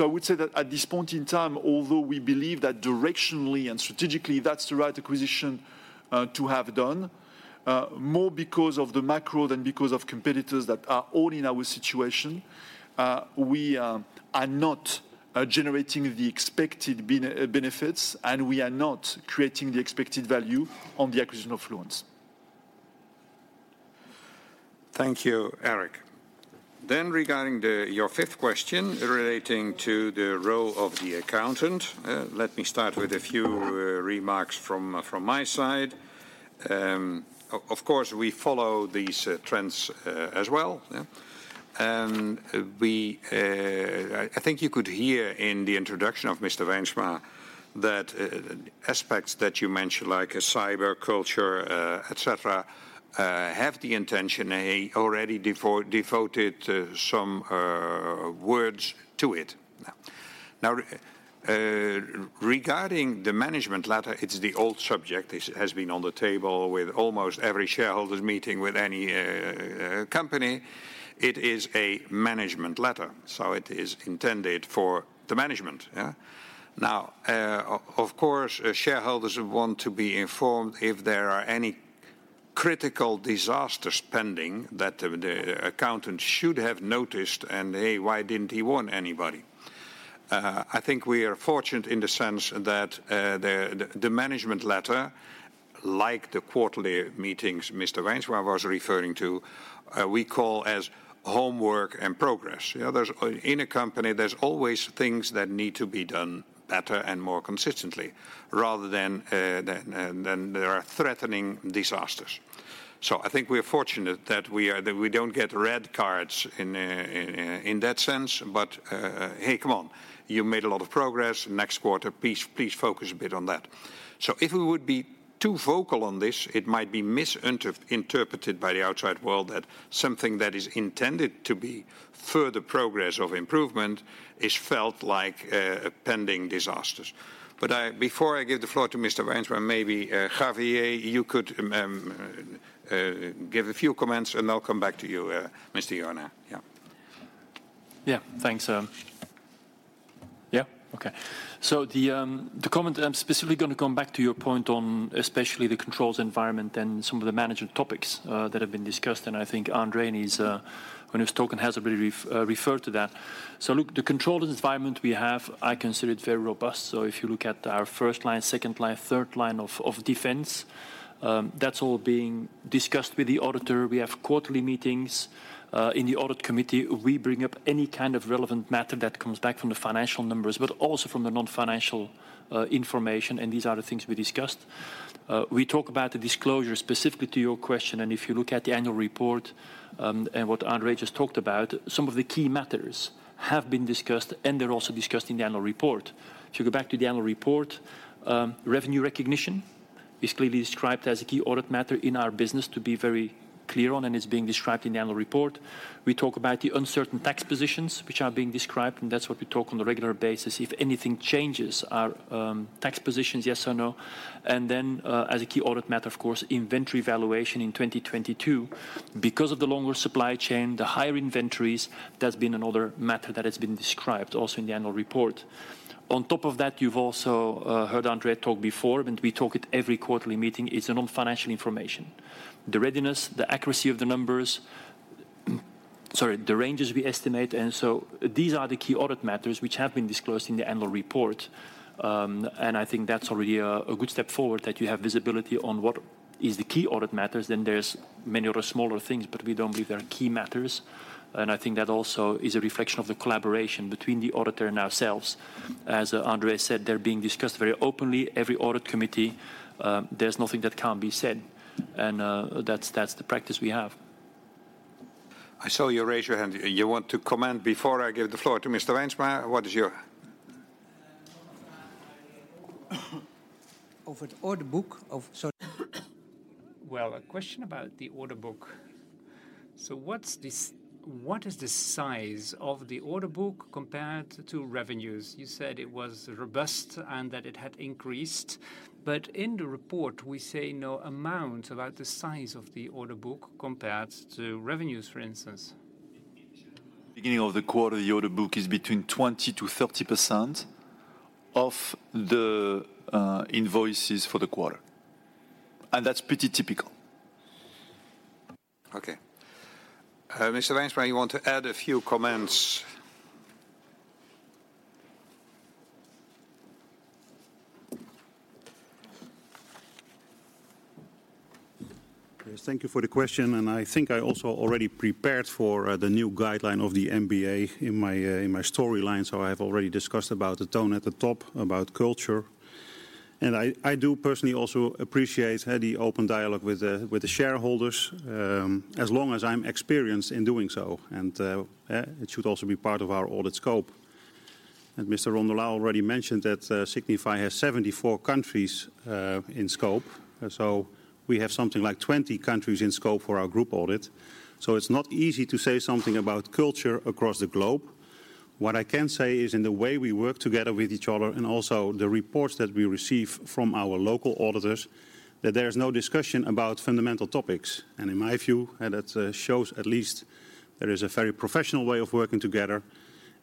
I would say that at this point in time, although we believe that directionally and strategically that's the right acquisition to have done more because of the macro than because of competitors that are all in our situation, we are not generating the expected benefits, and we are not creating the expected value on the acquisition of Fluence. Thank you, Eric. Regarding your fifth question relating to the role of the accountant, let me start with a few remarks from my side. Of course, we follow these trends as well. Yeah. We, I think you could hear in the introduction of Mr. Wijnsma that aspects that you mentioned, like cyber, culture, et cetera, have the intention. He already devoted some words to it. Regarding the management letter, it's the old subject. It has been on the table with almost every shareholders meeting with any company. It is a management letter, so it is intended for the management. Yeah. Of course, shareholders want to be informed if there are any critical disasters pending that the accountant should have noticed, and hey, why didn't he warn anybody? I think we are fortunate in the sense that the management letter, like the quarterly meetings Mr. Wijnsma was referring to, we call as homework and progress. You know, in a company, there's always things that need to be done better and more consistently rather than there are threatening disasters. I think we are fortunate that we don't get red cards in that sense. Hey, come on, you made a lot of progress. Next quarter, please focus a bit on that. If we would be too vocal on this, it might be misinterpreted by the outside world that something that is intended to be further progress of improvement is felt like pending disasters. Before I give the floor to Mr. Wijnsma, maybe, Javier, you could give a few comments. I'll come back to you, Mr. Jorna. Yeah. Yeah. Thanks. The comment that I'm specifically gonna come back to your point on especially the controls environment and some of the management topics that have been discussed, I think André, in his talk, has already referred to that. Look, the controls environment we have, I consider it very robust. If you look at our first line, second line, third line of defense, that's all being discussed with the auditor. We have quarterly meetings in the audit committee. We bring up any kind of relevant matter that comes back from the financial numbers, but also from the non-financial information, and these are the things we discussed. We talk about the disclosure specifically to your question. If you look at the annual report, and what André just talked about, some of the key matters have been discussed, and they're also discussed in the annual report. If you go back to the annual report, revenue recognition is clearly described as a key audit matter in our business to be very clear on, and it's being described in the annual report. We talk about the uncertain tax positions which are being described, and that's what we talk on a regular basis. If anything changes our tax positions, yes or no. Then, as a key audit matter, of course, inventory valuation in 2022, because of the longer supply chain, the higher inventories, that's been another matter that has been described also in the annual report. On top of that, you've also heard André talk before, and we talk at every quarterly meeting. It's a non-financial information. The readiness, the accuracy of the numbers, sorry, the ranges we estimate, and so these are the key audit matters which have been disclosed in the annual report. I think that's already a good step forward that you have visibility on what is the key audit matters. There's many other smaller things, but we don't believe they are key matters. I think that also is a reflection of the collaboration between the auditor and ourselves. As André said, they're being discussed very openly, every audit committee. There's nothing that can't be said, and that's the practice we have. I saw you raise your hand. You want to comment before I give the floor to Mr. Wijnsma? What is. Sorry. Well, a question about the order book. What is the size of the order book compared to revenues? You said it was robust and that it had increased, but in the report we see no amount about the size of the order book compared to revenues, for instance. Beginning of the quarter, the order book is between 20%-30% of the invoices for the quarter. That's pretty typical. Okay. Mr. Wijnsma, you want to add a few comments? Yes, thank you for the question. I think I also already prepared for the new guideline of the MBA in my in my storyline. I have already discussed about the tone at the top, about culture. I do personally also appreciate the open dialogue with the with the shareholders, as long as I'm experienced in doing so. It should also be part of our audit scope. Mr. Rondolat already mentioned that Signify has 74 countries in scope. We have something like 20 countries in scope for our group audit. It's not easy to say something about culture across the globe. What I can say is in the way we work together with each other and also the reports that we receive from our local auditors, that there is no discussion about fundamental topics. In my view, and that, shows at least there is a very professional way of working together.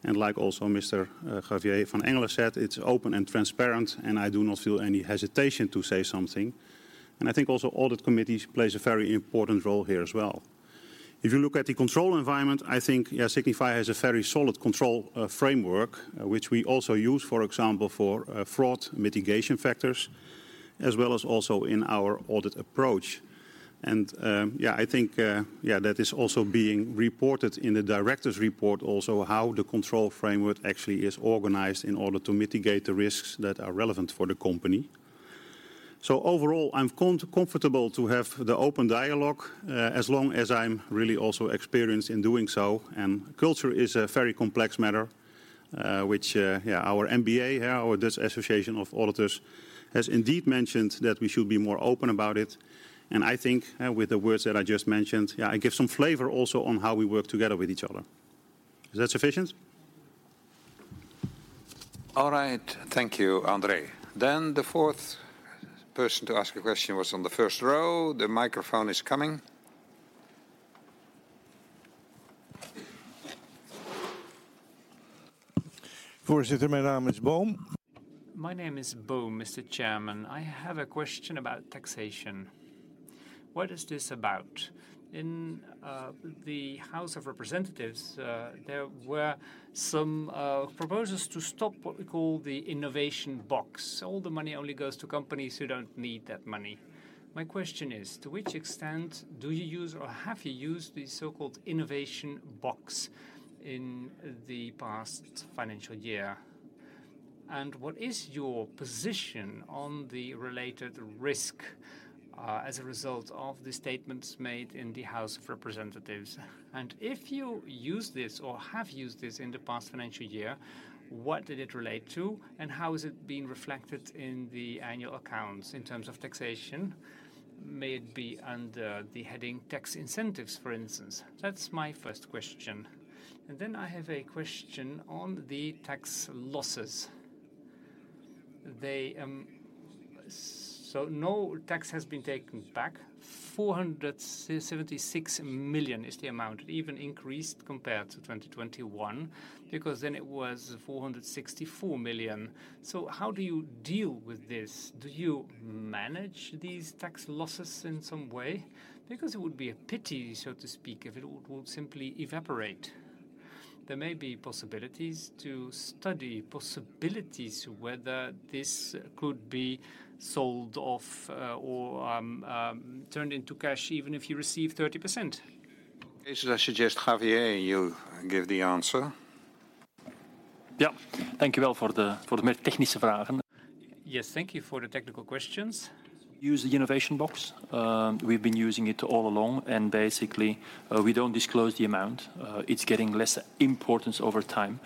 Like also Mr. Javier van Engelen said, it's open and transparent, and I do not feel any hesitation to say something. I think also audit committees plays a very important role here as well. If you look at the control environment, I think, yeah, Signify has a very solid control framework, which we also use, for example, for fraud mitigation factors, as well as also in our audit approach. Yeah, I think, yeah, that is also being reported in the director's report also, how the control framework actually is organized in order to mitigate the risks that are relevant for the company. Overall, I'm comfortable to have the open dialogue, as long as I'm really also experienced in doing so. Culture is a very complex matter, which our MBA here or this association of auditors has indeed mentioned that we should be more open about it. I think with the words that I just mentioned, I give some flavor also on how we work together with each other. Is that sufficient? All right. Thank you, Andre. The fourth person to ask a question was on the first row. The microphone is coming. My name is Boom, Mr. Chairman. I have a question about taxation. What is this about? In the House of Representatives, there were some proposals to stop what we call the Innovation Box. All the money only goes to companies who don't need that money. My question is, to which extent do you use or have you used the so-called Innovation Box in the past financial year? What is your position on the related risk, as a result of the statements made in the House of Representatives? If you use this or have used this in the past financial year, what did it relate to, and how is it being reflected in the annual accounts in terms of taxation, maybe under the heading tax incentives, for instance? That's my first question. I have a question on the tax losses. They, no tax has been taken back. 476 million is the amount. It even increased compared to 2021 because then it was 464 million. How do you deal with this? Do you manage these tax losses in some way? Because it would be a pity, so to speak, if it all would simply evaporate. There may be possibilities to study possibilities whether this could be sold off, or turned into cash even if you receive 30%. Okay. Should I suggest, Javier, you give the answer? Yeah. Thank you all for the more technical Yes, thank you for the technical questions. Use the Innovation Box. We've been using it all along, and basically, we don't disclose the amount. It's getting less importance over time.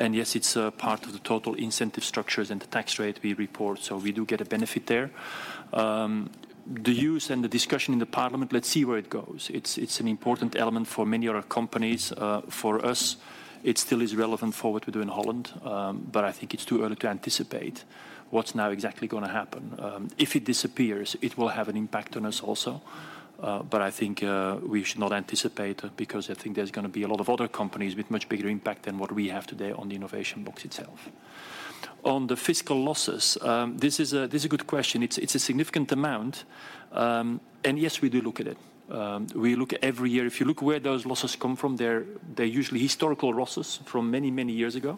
Yes, it's a part of the total incentive structures and the tax rate we report, so we do get a benefit there. The use and the discussion in the parliament, let's see where it goes. It's an important element for many other companies. For us, it still is relevant for what we do in Holland, but I think it's too early to anticipate what's now exactly gonna happen. If it disappears, it will have an impact on us also. I think, we should not anticipate because I think there's gonna be a lot of other companies with much bigger impact than what we have today on the Innovation Box itself. On the fiscal losses, this is a good question. It's a significant amount, and yes, we do look at it. We look every year. If you look where those losses come from, they're usually historical losses from many, many years ago.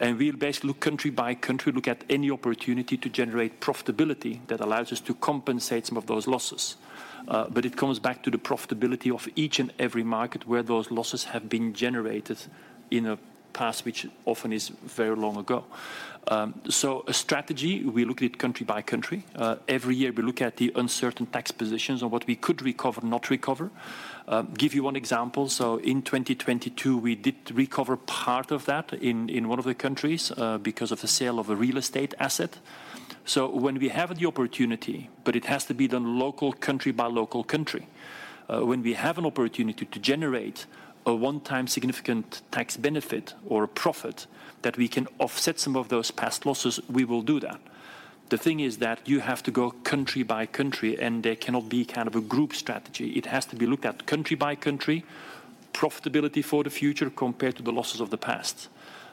We basically look country by country, look at any opportunity to generate profitability that allows us to compensate some of those losses. It comes back to the profitability of each and every market where those losses have been generated in a past which often is very long ago. A strategy, we look at country by country. Every year we look at the uncertain tax positions on what we could recover, not recover. Give you one example. In 2022, we did recover part of that in one of the countries, because of the sale of a real estate asset. When we have the opportunity, but it has to be done local country by local country. When we have an opportunity to generate a one-time significant tax benefit or a profit that we can offset some of those past losses, we will do that. The thing is that you have to go country by country, and there cannot be kind of a group strategy. It has to be looked at country by country, profitability for the future compared to the losses of the past.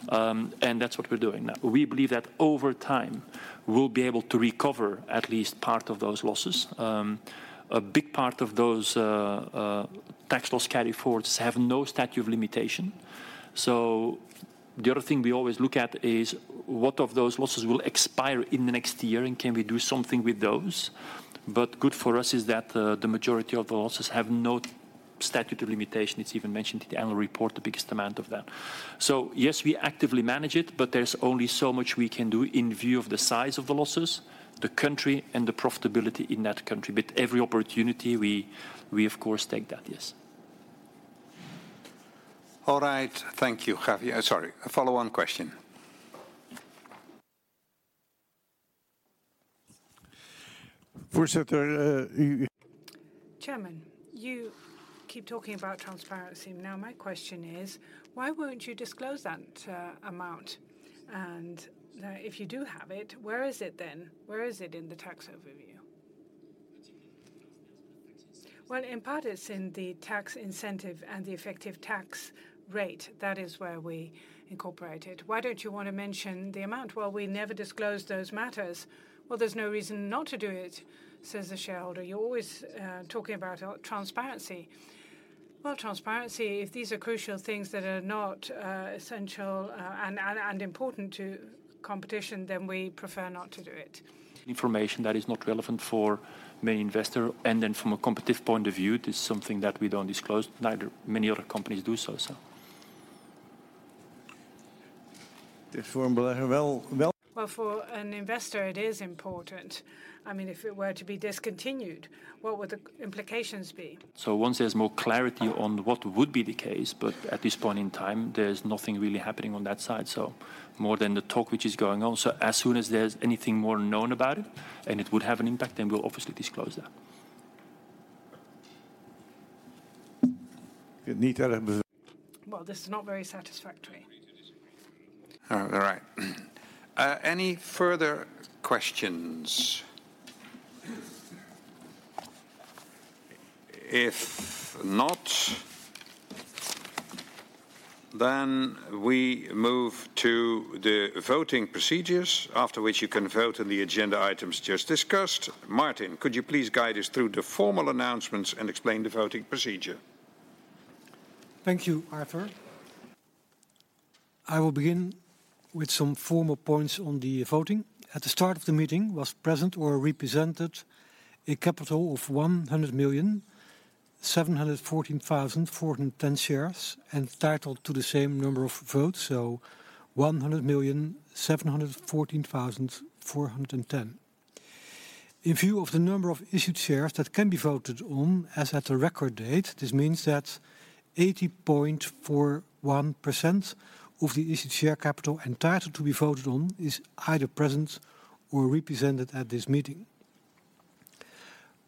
That's what we're doing now. We believe that over time, we'll be able to recover at least part of those losses. A big part of those, tax loss carryforwards have no statute of limitation. The other thing we always look at is what of those losses will expire in the next year, and can we do something with those? Good for us is that, the majority of the losses have no statute of limitation. It's even mentioned in the annual report, the biggest amount of that. Yes, we actively manage it, but there's only so much we can do in view of the size of the losses, the country, and the profitability in that country. Every opportunity, we of course take that, yes. All right. Thank you, Javier. Sorry, a follow-on question. Chairman, you keep talking about transparency. Now, my question is, why won't you disclose that amount? If you do have it, where is it then? Where is it in the tax overview? Well, in part it's in the tax incentive and the effective tax rate. That is where we incorporate it. Why don't you wanna mention the amount? Well, we never disclose those matters. Well, there's no reason not to do it, says the shareholder. You're always talking about transparency. Well, transparency, if these are crucial things that are not essential and important to competition, then we prefer not to do it. Information that is not relevant for many investor, and then from a competitive point of view, it is something that we don't disclose. Neither many other companies do so. Well, for an investor it is important. I mean, if it were to be discontinued, what would the implications be? Once there's more clarity on what would be the case, but at this point in time, there's nothing really happening on that side, so more than the talk which is going on. As soon as there's anything more known about it and it would have an impact, then we'll obviously disclose that. Well, this is not very satisfactory. All right. Any further questions? If not, we move to the voting procedures after which you can vote on the agenda items just discussed. Martin, could you please guide us through the formal announcements and explain the voting procedure? Thank you, Arthur. I will begin with some formal points on the voting. At the start of the meeting was present or represented a capital of 100,714,410 shares entitled to the same number of votes, so 100,714,410. In view of the number of issued shares that can be voted on as at the record date, this means that 80.41% of the issued share capital entitled to be voted on is either present or represented at this meeting.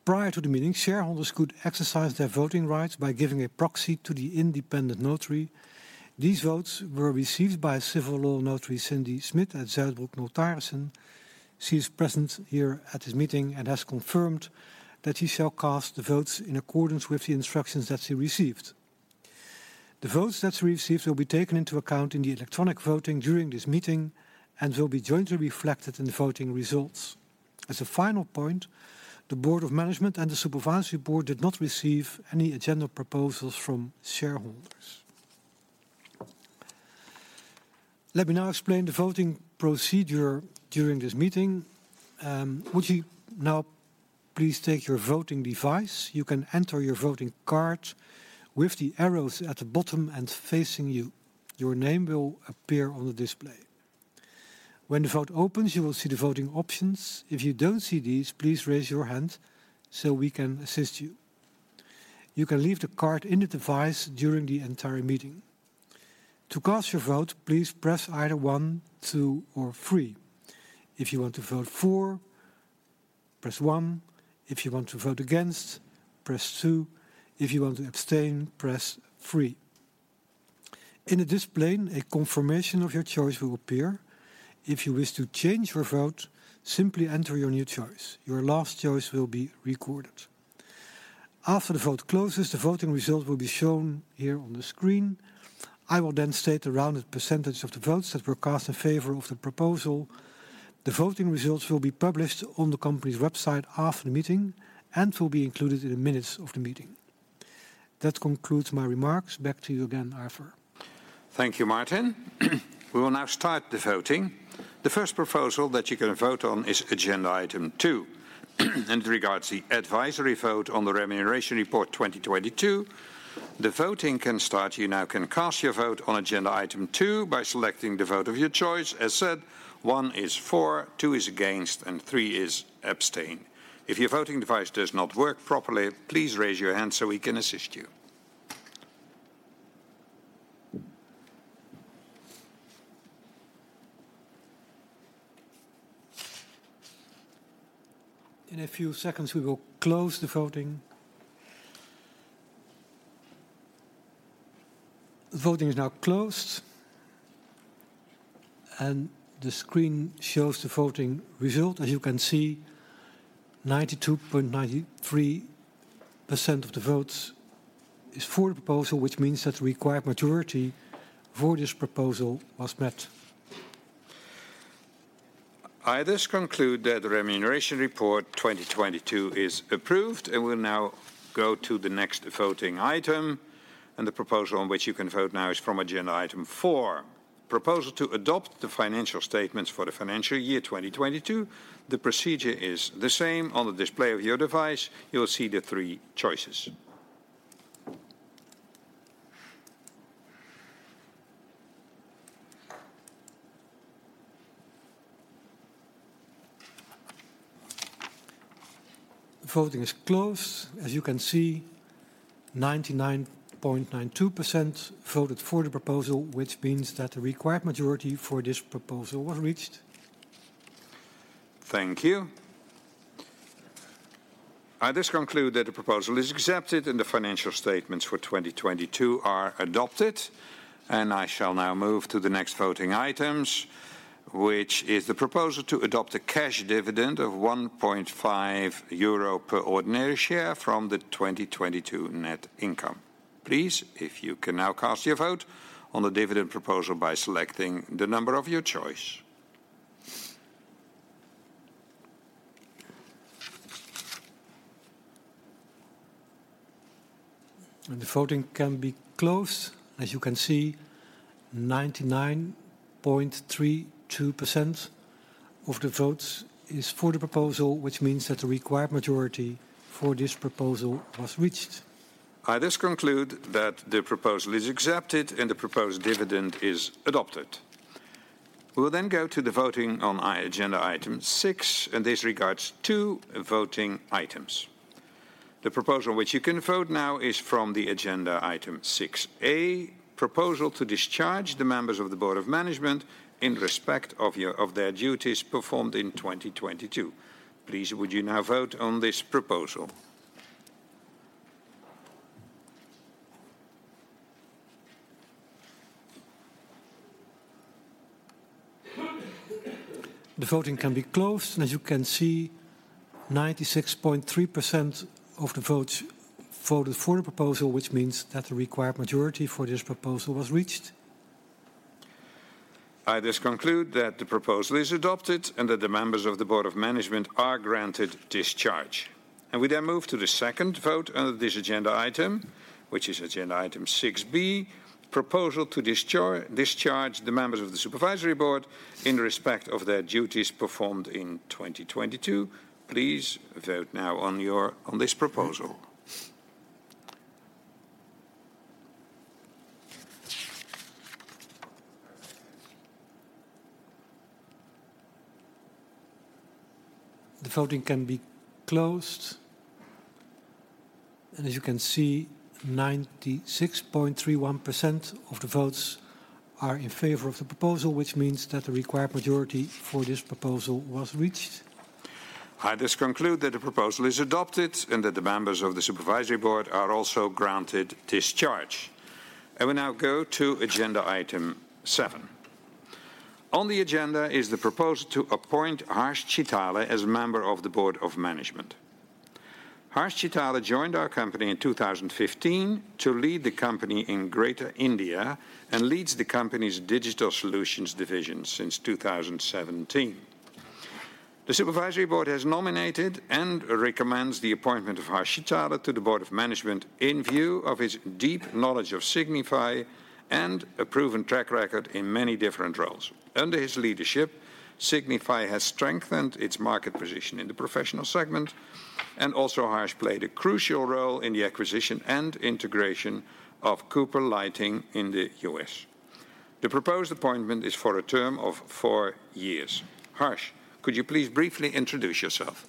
Prior to the meeting, shareholders could exercise their voting rights by giving a proxy to the independent notary. These votes were received by civil law notary Cindy Smid at Zuidbroek Notarissen. She is present here at this meeting and has confirmed that she shall cast the votes in accordance with the instructions that she received. The votes that she received will be taken into account in the electronic voting during this meeting and will be jointly reflected in the voting results. As a final point, the board of management and the supervisory board did not receive any agenda proposals from shareholders. Let me now explain the voting procedure during this meeting. Would you now please take your voting device? You can enter your voting card with the arrows at the bottom and facing you. Your name will appear on the display. When the vote opens, you will see the voting options. If you don't see these, please raise your hand so we can assist you. You can leave the card in the device during the entire meeting. To cast your vote, please press either one, two, or three. If you want to vote for, press one. If you want to vote against, press two. If you want to abstain, press three. In the display, a confirmation of your choice will appear. If you wish to change your vote, simply enter your new choice. Your last choice will be recorded. After the vote closes, the voting results will be shown here on the screen. I will then state the rounded percentage of the votes that were cast in favor of the proposal. The voting results will be published on the company's website after the meeting and will be included in the minutes of the meeting. That concludes my remarks. Back to you again, Arthur. Thank you, Martin. We will now start the voting. The first proposal that you're gonna vote on is agenda Item 2 and regards the advisory vote on the Remuneration Report 2022. The voting can start. You now can cast your vote on agenda Item 2 by selecting the vote of your choice. As said, one is for, two is against, and three is abstain. If your voting device does not work properly, please raise your hand so we can assist you. In a few seconds, we will close the voting. The voting is now closed, and the screen shows the voting result. As you can see, 92.93% of the votes is for the proposal, which means that the required majority for this proposal was met. I thus conclude that the Remuneration Report 2022 is approved. We'll now go to the next voting item. The proposal on which you can vote now is from agenda Item 4, proposal to adopt the financial statements for the financial year 2022. The procedure is the same. On the display of your device, you will see the three choices. The voting is closed. As you can see, 99.92% voted for the proposal, which means that the required majority for this proposal was reached. Thank you. I thus conclude that the proposal is accepted and the financial statements for 2022 are adopted. I shall now move to the next voting items, which is the proposal to adopt a cash dividend of 1.5 euro per ordinary share from the 2022 net income. Please, if you can now cast your vote on the dividend proposal by selecting the number of your choice. The voting can be closed. As you can see, 99.32% of the votes is for the proposal, which means that the required majority for this proposal was reached. I thus conclude that the proposal is accepted and the proposed dividend is adopted. We will then go to the voting on agenda Item 6. This regards two voting items. The proposal which you can vote now is from the agenda Item 6(a), proposal to discharge the members of the Board of Management in respect of their duties performed in 2022. Please, would you now vote on this proposal? The voting can be closed. As you can see, 96.3% of the votes voted for the proposal, which means that the required majority for this proposal was reached. I thus conclude that the proposal is adopted and that the members of the Board of Management are granted discharge. We move to the second vote under this agenda item, which is agenda Item 6(b), proposal to discharge the members of the Supervisory Board in respect of their duties performed in 2022. Please vote now on this proposal. The voting can be closed. As you can see, 96.31% of the votes are in favor of the proposal, which means that the required majority for this proposal was reached. I just conclude that the proposal is adopted and that the members of the Supervisory Board are also granted discharge. We now go to agenda Item 7. On the agenda is the proposal to appoint Harsh Chitale as member of the Board of Management. Harsh Chitale joined our company in 2015 to lead the company in Greater India and leads the company's Digital Solutions division since 2017. The Supervisory Board has nominated and recommends the appointment of Harsh Chitale to the Board of Management in view of his deep knowledge of Signify and a proven track record in many different roles. Under his leadership, Signify has strengthened its market position in the professional segment, and also Harsh played a crucial role in the acquisition and integration of Cooper Lighting in the U.S. The proposed appointment is for a term of four years. Harsh, could you please briefly introduce yourself?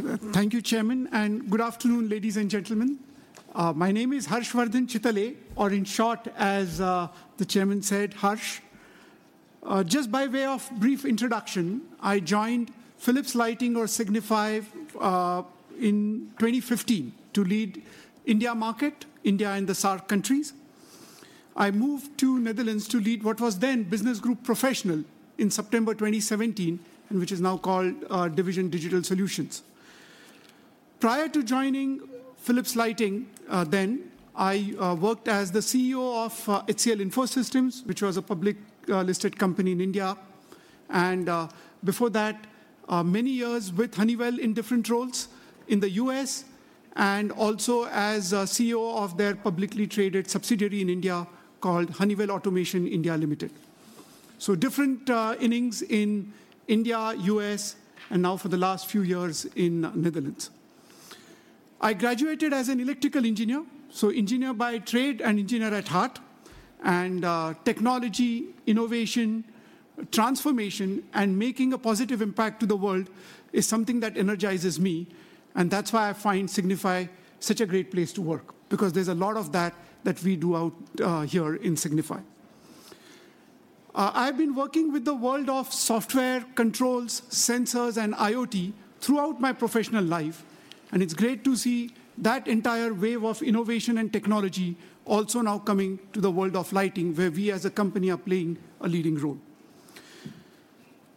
Thank you, Chairman. Good afternoon, ladies and gentlemen. My name is Harshavardhan Chitale, or in short, as the Chairman said, Harsh. Just by way of brief introduction, I joined Philips Lighting or Signify in 2015 to lead India market, India and the SAARC countries. I moved to Netherlands to lead what was then Business Group Professional in September 2017, which is now called Division Digital Solutions. Prior to joining Philips Lighting, then, I worked as the CEO of HCL Infosystems, which was a public listed company in India. Before that, many years with Honeywell in different roles in the U.S. and also as CEO of their publicly traded subsidiary in India called Honeywell Automation India Limited. Different innings in India, U.S., and now for the last few years in Netherlands. I graduated as an electrical engineer by trade and engineer at heart. Technology, innovation, transformation, and making a positive impact to the world is something that energizes me, and that's why I find Signify such a great place to work, because there's a lot of that that we do out here in Signify. I've been working with the world of software, controls, sensors, and IoT throughout my professional life, and it's great to see that entire wave of innovation and technology also now coming to the world of lighting, where we as a company are playing a leading role.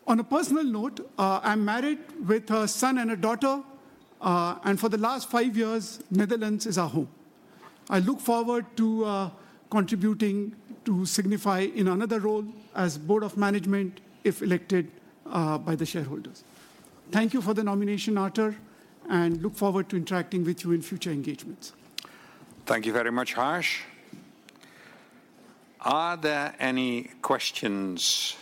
On a personal note, I'm married with a son and a daughter, and for the last five years, Netherlands is our home. I look forward to contributing to Signify in another role as board of management if elected by the shareholders. Thank you for the nomination, Arthur. Look forward to interacting with you in future engagements. Thank you very much, Harsh. Are there any questions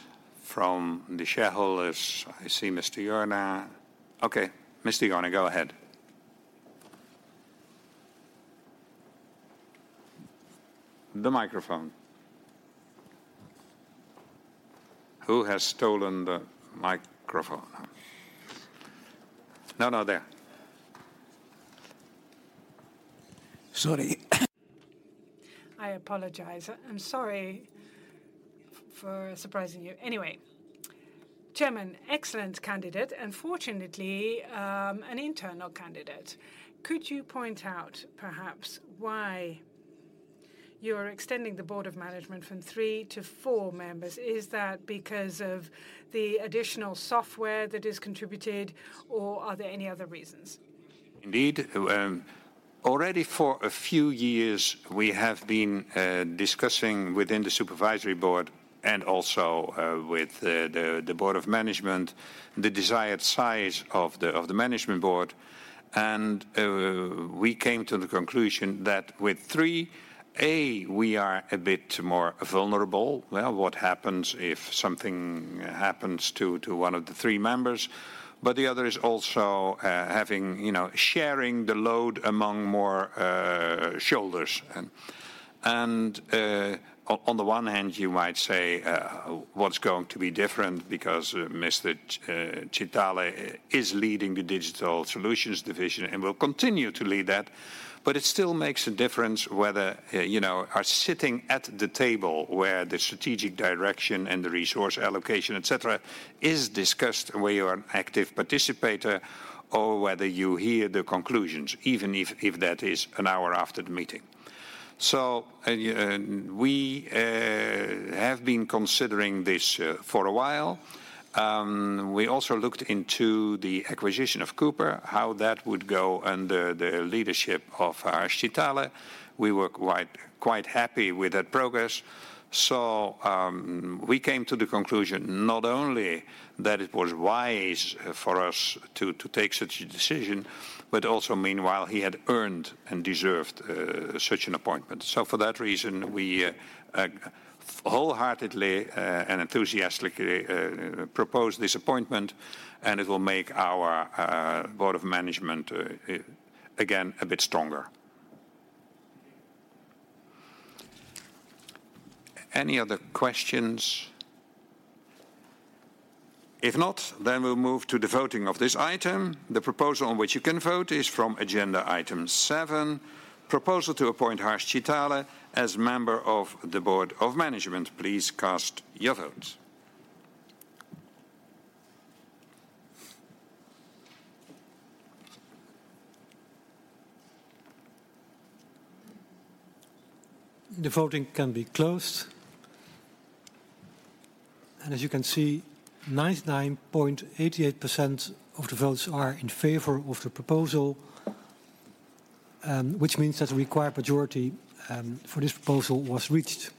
from the shareholders? I see Mr. Jorna. Okay. Mr. Jorna, go ahead. The microphone. Who has stolen the microphone? No, no, there. Sorry. I apologize. I'm sorry for surprising you. Anyway, Chairman, excellent candidate. Unfortunately, an internal candidate. Could you point out perhaps why you're extending the board of management from three to four members? Is that because of the additional software that is contributed or are there any other reasons? Indeed. Already for a few years we have been discussing within the supervisory board and also with the board of management the desired size of the management board. We came to the conclusion that with three, we are a bit more vulnerable. Well, what happens if something happens to one of the three members? The other is also having, you know, sharing the load among more shoulders. On the one hand you might say, what's going to be different because Mr. Chitale is leading the Digital Solutions division and will continue to lead that. It still makes a difference whether, you know, are sitting at the table where the strategic direction and the resource allocation, etc., is discussed where you're an active participator or whether you hear the conclusions, even if that is an hour after the meeting. We have been considering this for a while. We also looked into the acquisition of Cooper, how that would go under the leadership of Harsh Chitale. We were quite happy with that progress. We came to the conclusion not only that it was wise for us to take such a decision, but also meanwhile he had earned and deserved such an appointment. For that reason, we wholeheartedly and enthusiastically propose this appointment, and it will make our board of management again a bit stronger. Any other questions? If not, we'll move to the voting of this item. The proposal on which you can vote is from agenda Item 7, proposal to appoint Harsh Chitale as member of the Board of Management. Please cast your vote. The voting can be closed. As you can see, 99.88% of the votes are in favor of the proposal, which means that the required majority for this proposal was reached.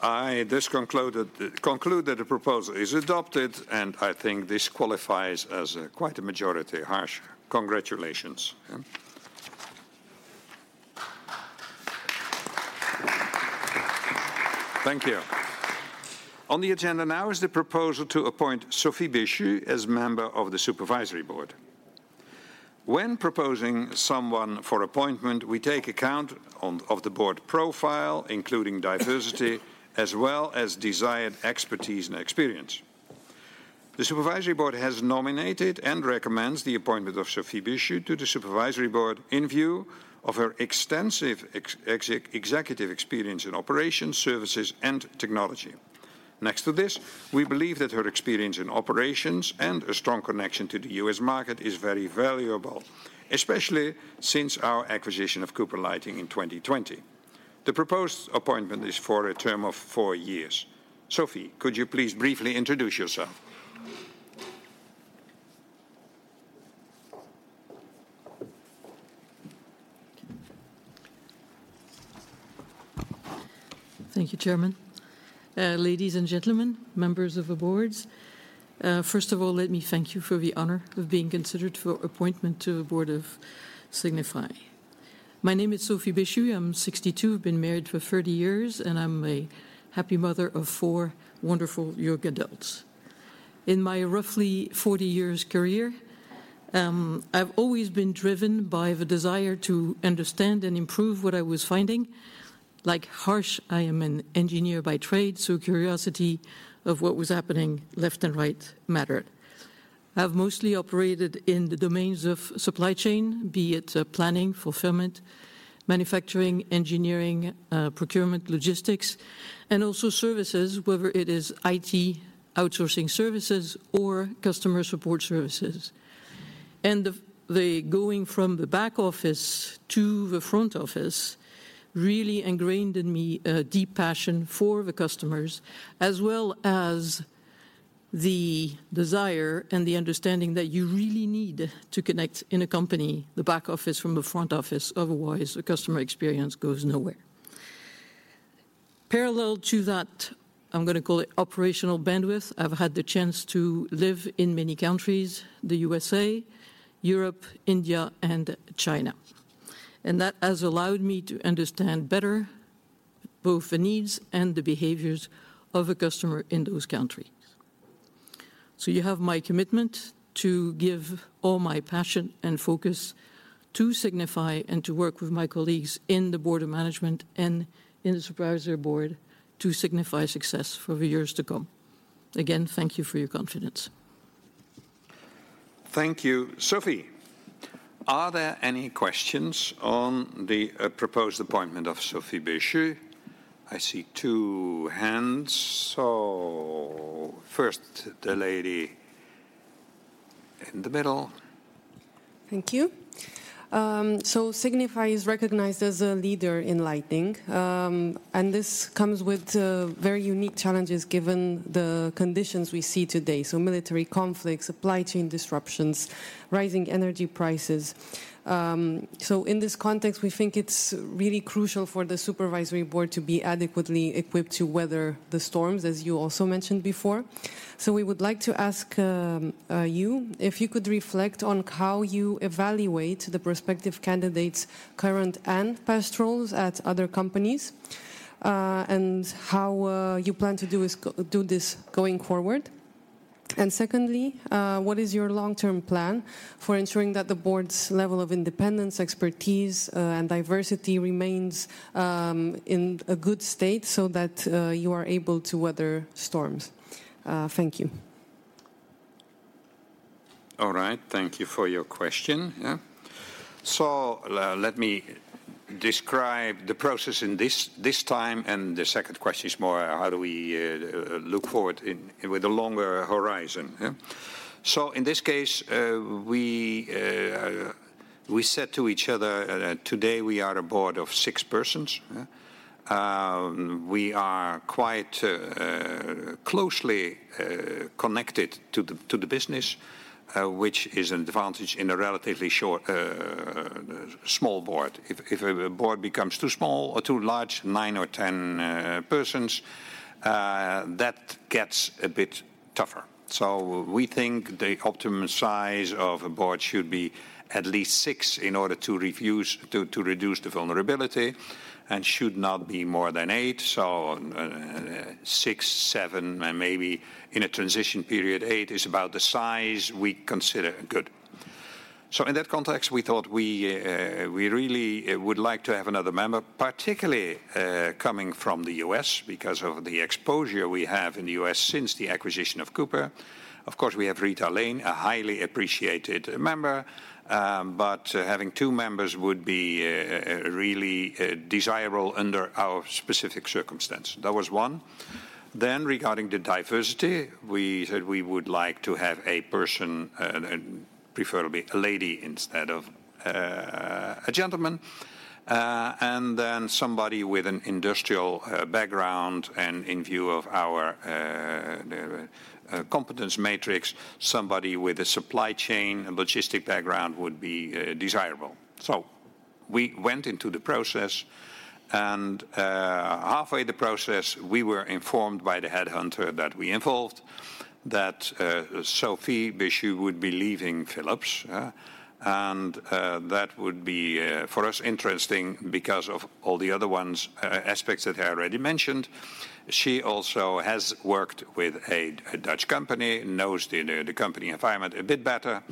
I just conclude that the proposal is adopted, I think this qualifies as quite a majority. Harsh, congratulations. Thank you. On the agenda now is the proposal to appoint Sophie Bechu as member of the Supervisory Board. When proposing someone for appointment, we take account of the board profile, including diversity, as well as desired expertise and experience. The Supervisory Board has nominated and recommends the appointment of Sophie Bechu to the Supervisory Board in view of her extensive executive experience in operations, services, and technology. We believe that her experience in operations and a strong connection to the U.S. market is very valuable, especially since our acquisition of Cooper Lighting in 2020. The proposed appointment is for a term of four years. Sophie, could you please briefly introduce yourself? Thank you, Chairman. ladies and gentlemen, members of the boards, first of all, let me thank you for the honor of being considered for appointment to the board of Signify. My name is Sophie Bechu. I'm 62, been married for 30 years, and I'm a happy mother of four wonderful young adults. In my roughly 40 years career, I've always been driven by the desire to understand and improve what I was finding. Like Harsh, I am an engineer by trade, so curiosity of what was happening left and right mattered. I've mostly operated in the domains of supply chain, be it, planning, fulfillment, manufacturing, engineering, procurement, logistics, and also services, whether it is IT outsourcing services or customer support services. The going from the back office to the front office really ingrained in me a deep passion for the customers as well as the desire and the understanding that you really need to connect in a company the back office from the front office, otherwise the customer experience goes nowhere. Parallel to that, I'm gonna call it operational bandwidth, I've had the chance to live in many countries, the USA, Europe, India, and China, and that has allowed me to understand better both the needs and the behaviors of a customer in those countries. You have my commitment to give all my passion and focus to Signify and to work with my colleagues in the Board of Management and in the Supervisory Board to Signify success for the years to come. Again, thank you for your confidence. Thank you, Sophie. Are there any questions on the proposed appointment of Sophie Bechu? I see two hands. First, the lady in the middle. Thank you. Signify is recognized as a leader in lighting, and this comes with very unique challenges given the conditions we see today, so military conflicts, supply chain disruptions, rising energy prices. In this context, we think it's really crucial for the Supervisory Board to be adequately equipped to weather the storms, as you also mentioned before. We would like to ask you if you could reflect on how you evaluate the prospective candidates' current and past roles at other companies, and how you plan to do this going forward. Secondly, what is your long-term plan for ensuring that the board's level of independence, expertise, and diversity remains in a good state so that you are able to weather storms? Thank you. All right. Thank you for your question. Yeah. Let me describe the process in this time, the second question is more how do we look forward in, with a longer horizon, yeah? In this case, we said to each other, today we are a board of six persons, yeah? We are quite closely connected to the, to the business, which is an advantage in a relatively short, small board. If a board becomes too small or too large, nine or 10 persons, that gets a bit tougher. We think the optimum size of a board should be at least six in order to reduce the vulnerability. Should not be more than eight. Six, seven, and maybe in a transition period eight is about the size we consider good. In that context, we thought we really would like to have another member, particularly coming from the US because of the exposure we have in the US since the acquisition of Cooper. Of course, we have Rita Lane, a highly appreciated member. Having two members would be really desirable under our specific circumstance. That was 1. Regarding the diversity, we said we would like to have a person, preferably a lady instead of a gentleman. Somebody with an industrial background and in view of our competence matrix, somebody with a supply chain and logistic background would be desirable. We went into the process, and halfway the process, we were informed by the headhunter that we involved that Sophie Bechu would be leaving Philips, huh? That would be for us interesting because of all the other aspects that I already mentioned. She also has worked with a Dutch company, knows the company environment a bit better.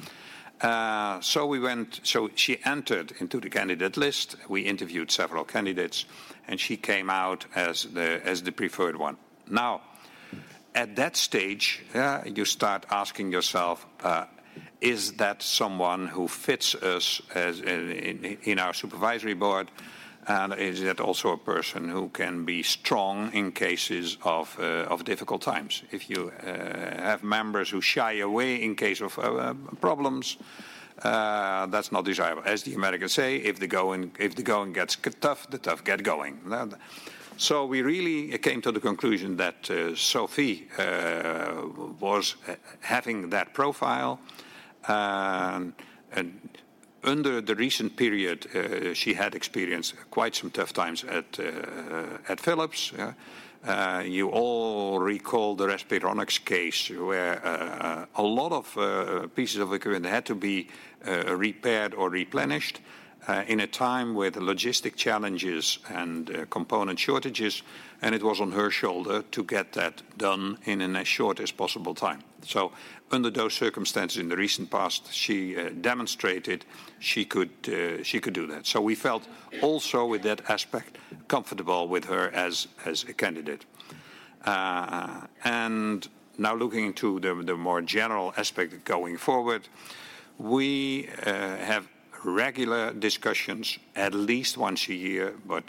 She entered into the candidate list. We interviewed several candidates, and she came out as the preferred one. At that stage, you start asking yourself, "Is that someone who fits us as in our Supervisory Board? And is it also a person who can be strong in cases of difficult times?" If you have members who shy away in case of problems, that's not desirable. As the Americans say, "If the going gets tough, the tough get going." We really came to the conclusion that Sophie was having that profile. Under the recent period, she had experienced quite some tough times at Philips, yeah. You all recall the Respironics case where a lot of pieces of equipment had to be repaired or replenished in a time with logistic challenges and component shortages, it was on her shoulder to get that done in as short as possible time. Under those circumstances in the recent past, she demonstrated she could do that. We felt also with that aspect comfortable with her as a candidate. Now looking to the more general aspect going forward, we have regular discussions at least once a year, but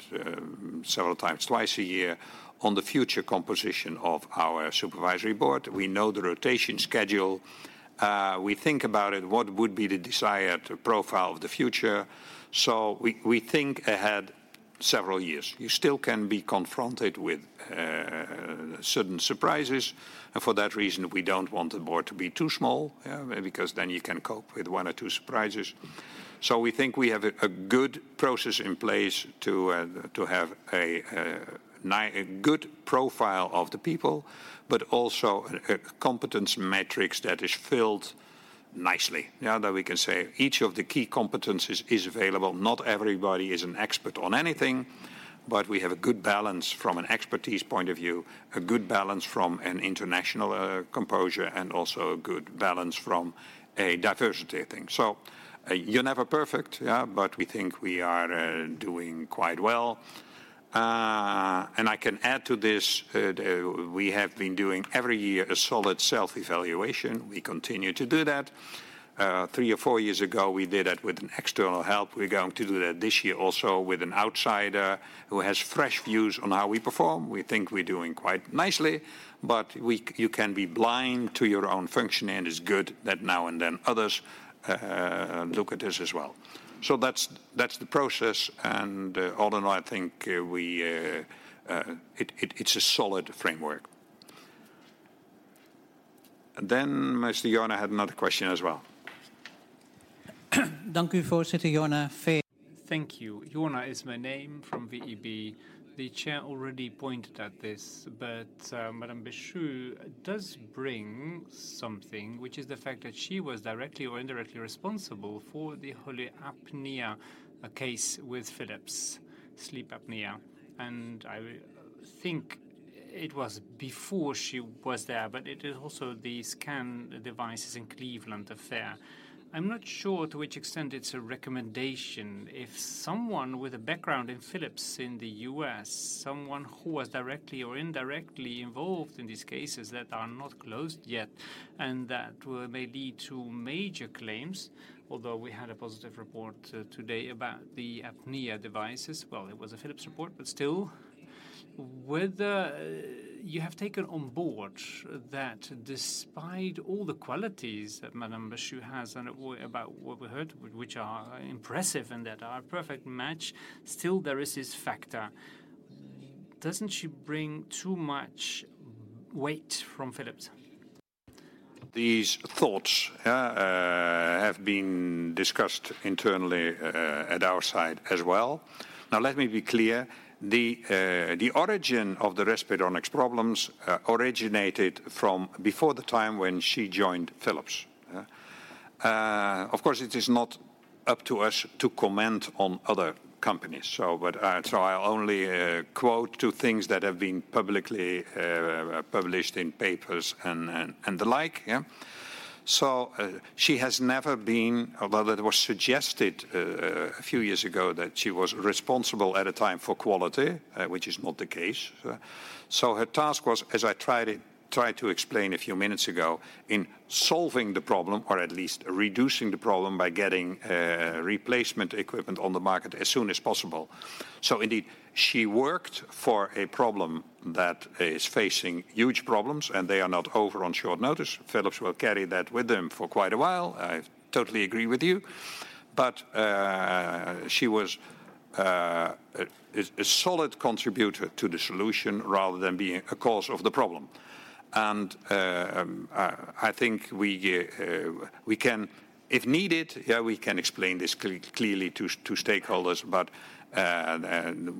several times twice a year, on the future composition of our Supervisory Board. We know the rotation schedule. We think about it, what would be the desired profile of the future. We think ahead several years. You still can be confronted with certain surprises. For that reason, we don't want the Board to be too small, because then you can cope with one or two surprises. We think we have a good process in place to have a good profile of the people, but also a competence matrix that is filled nicely. Now that we can say each of the key competencies is available. Not everybody is an expert on anything, but we have a good balance from an expertise point of view, a good balance from an international composure, and also a good balance from a diversity thing. You're never perfect, yeah, but we think we are doing quite well. I can add to this, we have been doing every year a solid self-evaluation. We continue to do that. Three or four years ago, we did it with an external help. We're going to do that this year also with an outsider who has fresh views on how we perform. We think we're doing quite nicely, but you can be blind to your own functioning, and it's good that now and then others look at this as well. That's the process. All in all, I think, it's a solid framework. Mr. Jorna had another question as well. Thank you, Voorzitter. Jonah Feek. Thank you. Jonah is my name from VEB. The chair already pointed at this, Madame Bichu does bring something, which is the fact that she was directly or indirectly responsible for the holy apnea case with Philips, sleep apnea. I think it was before she was there, but it is also the scan devices in Cleveland affair. I'm not sure to which extent it's a recommendation. If someone with a background in Philips in the U.S., someone who was directly or indirectly involved in these cases that are not closed yet, and that may lead to major claims, although we had a positive report today about the apnea devices. It was a Philips report, still. Whether you have taken on board that despite all the qualities that Madame Bichu has and about what we heard, which are impressive and that are a perfect match, still there is this factor. Doesn't she bring too much weight from Philips? These thoughts have been discussed internally at our side as well. Now let me be clear. The origin of the Respironics problems originated from before the time when she joined Philips. Of course, it is not up to us to comment on other companies. I only quote two things that have been publicly published in papers and the like. She has never been... Although it was suggested a few years ago that she was responsible at a time for quality, which is not the case. Her task was, as I tried to explain a few minutes ago, in solving the problem or at least reducing the problem by getting replacement equipment on the market as soon as possible. Indeed, she worked for a problem that is facing huge problems, and they are not over on short notice. Philips will carry that with them for quite a while. I totally agree with you. She was a solid contributor to the solution rather than being a cause of the problem. I think we can, if needed, yeah, we can explain this clearly to stakeholders.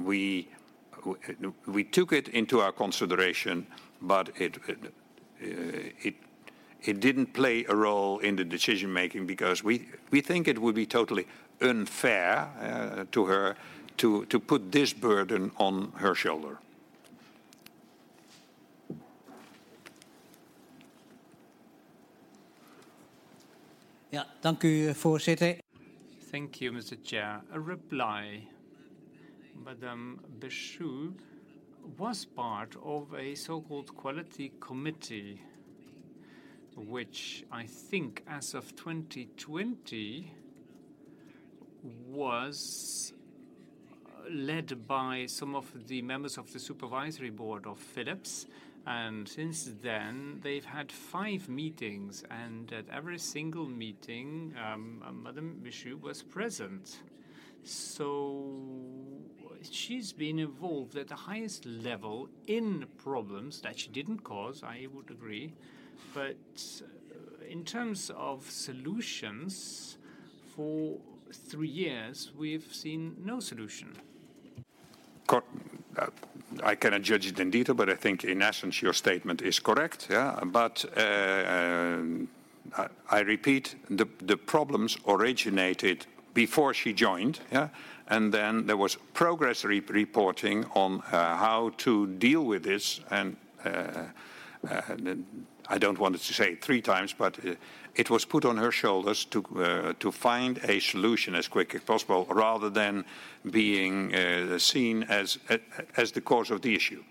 We took it into our consideration, but it didn't play a role in the decision-making because we think it would be totally unfair to her to put this burden on her shoulder. Yeah. Thank you, Mr. Chair. A reply. Madame Bechu was part of a so-called quality committee, which I think as of 2020 was led by some of the members of the supervisory board of Philips. Since then, they've had five meetings, and at every single meeting, Madame Bechu was present. She's been involved at the highest level in problems that she didn't cause, I would agree. In terms of solutions, for three years, we've seen no solution. I cannot judge it in detail, but I think in essence, your statement is correct, yeah? I repeat, the problems originated before she joined, yeah? There was progress re-reporting on how to deal with this. I don't want to say it three times, but it was put on her shoulders to find a solution as quick as possible rather than being seen as the cause of the issue.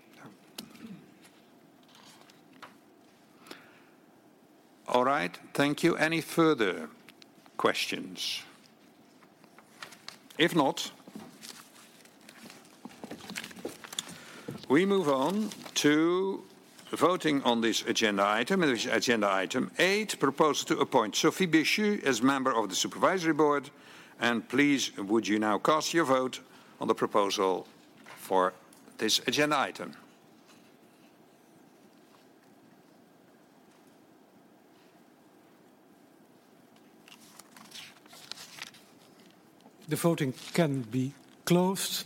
All right. Thank you. Any further questions? If not, we move on to voting on this agenda item. This is agenda Item 8, proposal to appoint Sophie Bechu as member of the supervisory board. Please, would you now cast your vote on the proposal for this agenda item. The voting can be closed.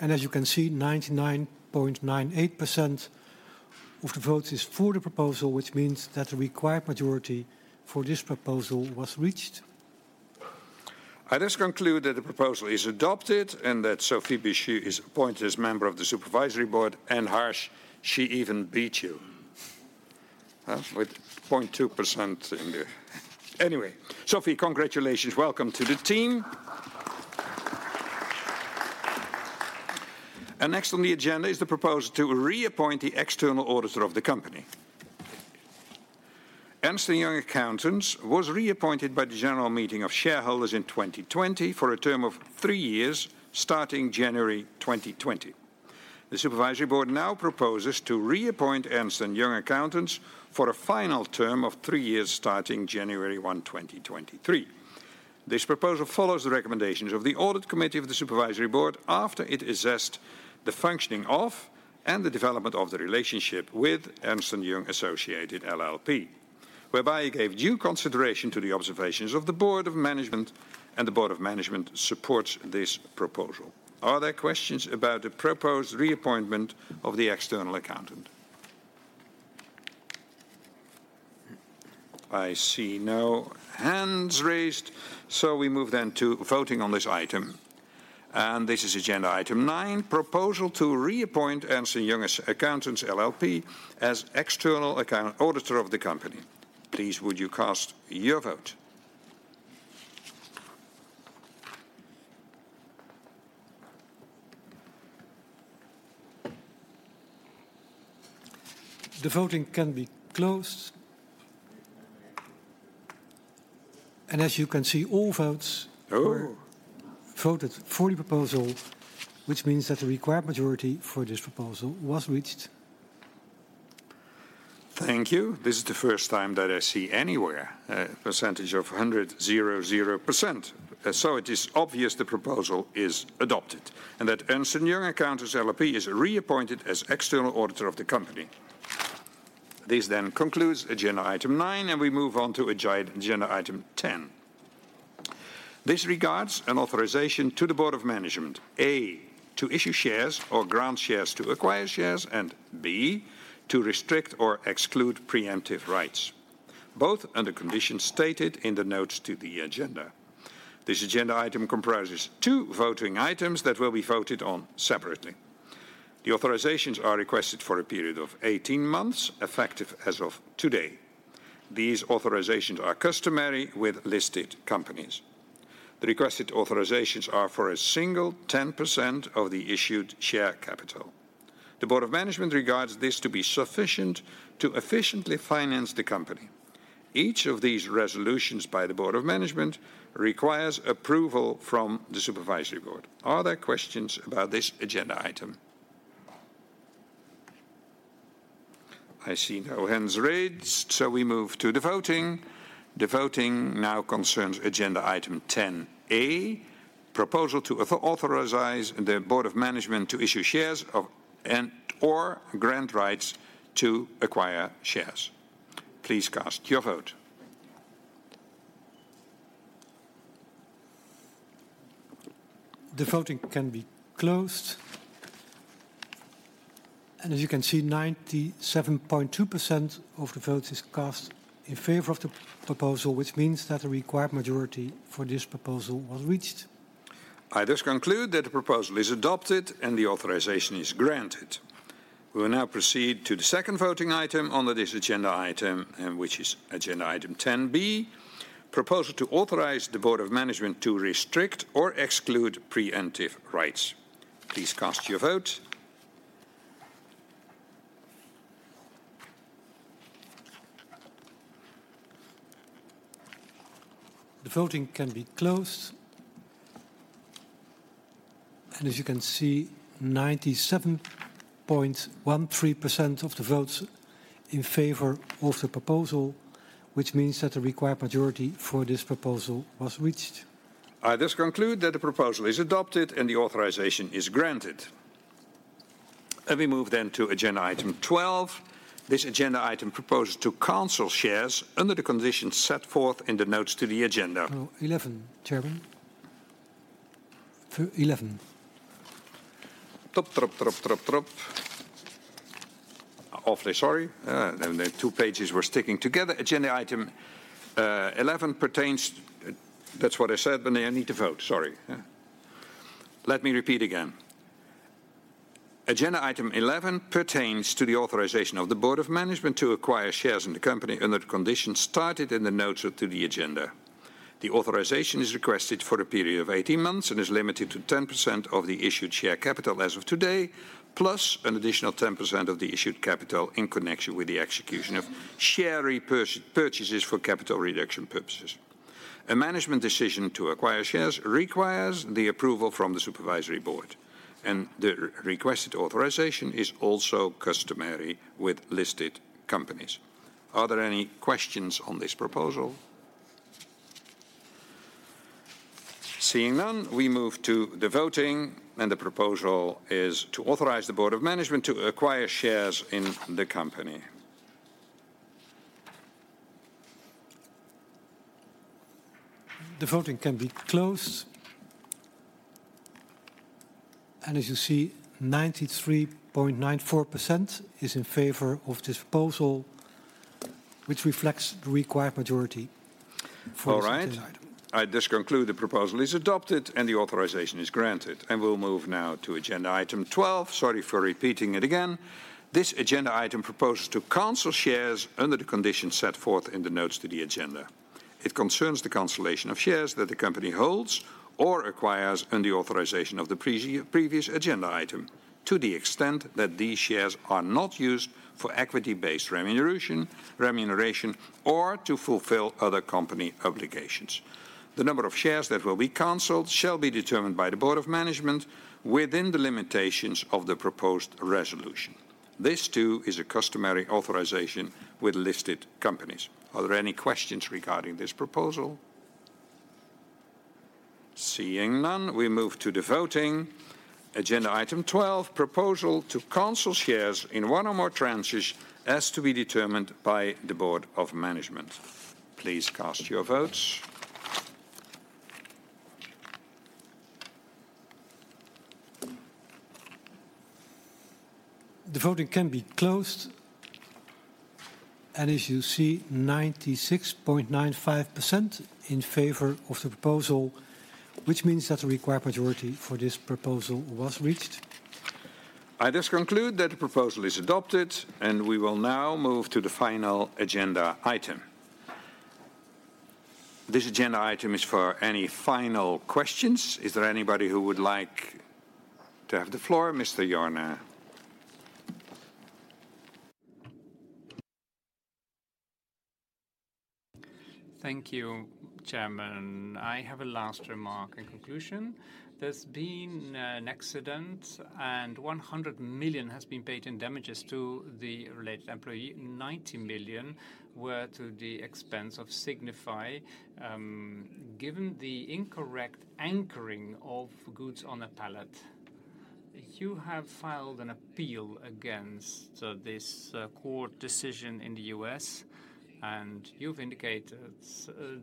As you can see, 99.98% of the vote is for the proposal, which means that the required majority for this proposal was reached. I just conclude that the proposal is adopted and that Sophie Bechu is appointed as member of the supervisory board. Harsh, she even beat you. With 0.2% in the... Sophie, congratulations. Welcome to the team. Next on the agenda is the proposal to reappoint the external auditor of the company. Ernst & Young Accountants was reappointed by the general meeting of shareholders in 2020 for a term of three years, starting January 2020. The supervisory board now proposes to reappoint Ernst & Young Accountants for a final term of three years, starting January 1, 2023. This proposal follows the recommendations of the audit committee of the supervisory board after it assessed the functioning of and the development of the relationship with Ernst & Young Accountants LLP, whereby it gave due consideration to the observations of the board of management. The board of management supports this proposal. Are there questions about the proposed reappointment of the external accountant? I see no hands raised. We move to voting on this item. This is agenda Item 9, proposal to reappoint Ernst & Young Accountants LLP as external auditor of the company. Please would you cast your vote. The voting can be closed. As you can see. Oh. Were voted for the proposal, which means that the required majority for this proposal was reached. Thank you. This is the first time that I see anywhere a percentage of 100.00%. It is obvious the proposal is adopted and that Ernst & Young Accountants LLP is reappointed as external auditor of the company. This concludes agenda Item 9, and we move on to Item 10. this regards an authorization to the board of management, A, to issue shares or grant shares to acquire shares, and B, to restrict or exclude preemptive rights, both under conditions stated in the notes to the agenda. This agenda item comprises two voting items that will be voted on separately. The authorizations are requested for a period of 18 months, effective as of today. These authorizations are customary with listed companies. The requested authorizations are for a single 10% of the issued share capital. The board of management regards this to be sufficient to efficiently finance the company. Each of these resolutions by the board of management requires approval from the supervisory board. Are there questions about this agenda item? I see no hands raised, so we move to the voting. The voting now concerns Item 10(a), proposal to authorize the board of management to issue shares of, and or grant rights to acquire shares. Please cast your vote. The voting can be closed. As you can see, 97.2% of the votes is cast in favor of the proposal, which means that the required majority for this proposal was reached. I thus conclude that the proposal is adopted and the authorization is granted. We will now proceed to the second voting item under this agenda item, which is Item 10(b), proposal to authorize the Board of Management to restrict or exclude preemptive rights. Please cast your vote. The voting can be closed. As you can see, 97.13% of the votes in favor of the proposal, which means that the required majority for this proposal was reached. I thus conclude that the proposal is adopted and the authorization is granted. We move then to Item 12. this agenda item proposes to cancel shares under the conditions set forth in the notes to the agenda. No, 11, Chairman. 11. Awfully sorry. The two pages were sticking together. That's what I said when I need to vote. Sorry. Let me repeat again. Item 11 pertains to the authorization of the board of management to acquire shares in the company under the conditions stated in the notes to the agenda. The authorization is requested for a period of 18 months and is limited to 10% of the issued share capital as of today, plus an additional 10% of the issued capital in connection with the execution of share repurchases for capital reduction purposes. A management decision to acquire shares requires the approval from the supervisory board, and the requested authorization is also customary with listed companies. Are there any questions on this proposal? Seeing none, we move to the voting, and the proposal is to authorize the board of management to acquire shares in the company. The voting can be closed. As you see, 93.94% is in favor of this proposal, which reflects the required majority for this agenda item. All right. I thus conclude the proposal is adopted and the authorization is granted. We'll move now to Item 12. sorry for repeating it again. This agenda item proposes to cancel shares under the conditions set forth in the notes to the agenda. It concerns the cancellation of shares that the company holds or acquires under the authorization of the previous agenda item, to the extent that these shares are not used for equity-based remuneration, or to fulfill other company obligations. The number of shares that will be canceled shall be determined by the board of management within the limitations of the proposed resolution. This too is a customary authorization with listed companies. Are there any questions regarding this proposal? Seeing none, we move to the voting. Item 12, proposal to cancel shares in one or more tranches as to be determined by the board of management. Please cast your votes. The voting can be closed. As you see, 96.95% in favor of the proposal, which means that the required majority for this proposal was reached. I thus conclude that the proposal is adopted, and we will now move to the final agenda item. This agenda item is for any final questions. Is there anybody who would like to have the floor? Mr. Jorna. Thank you, Chairman. I have a last remark in conclusion. There's been an accident, and 100 million has been paid in damages to the related employee. 90 million were to the expense of Signify, given the incorrect anchoring of goods on a pallet. You have filed an appeal against this court decision in the U.S., and you've indicated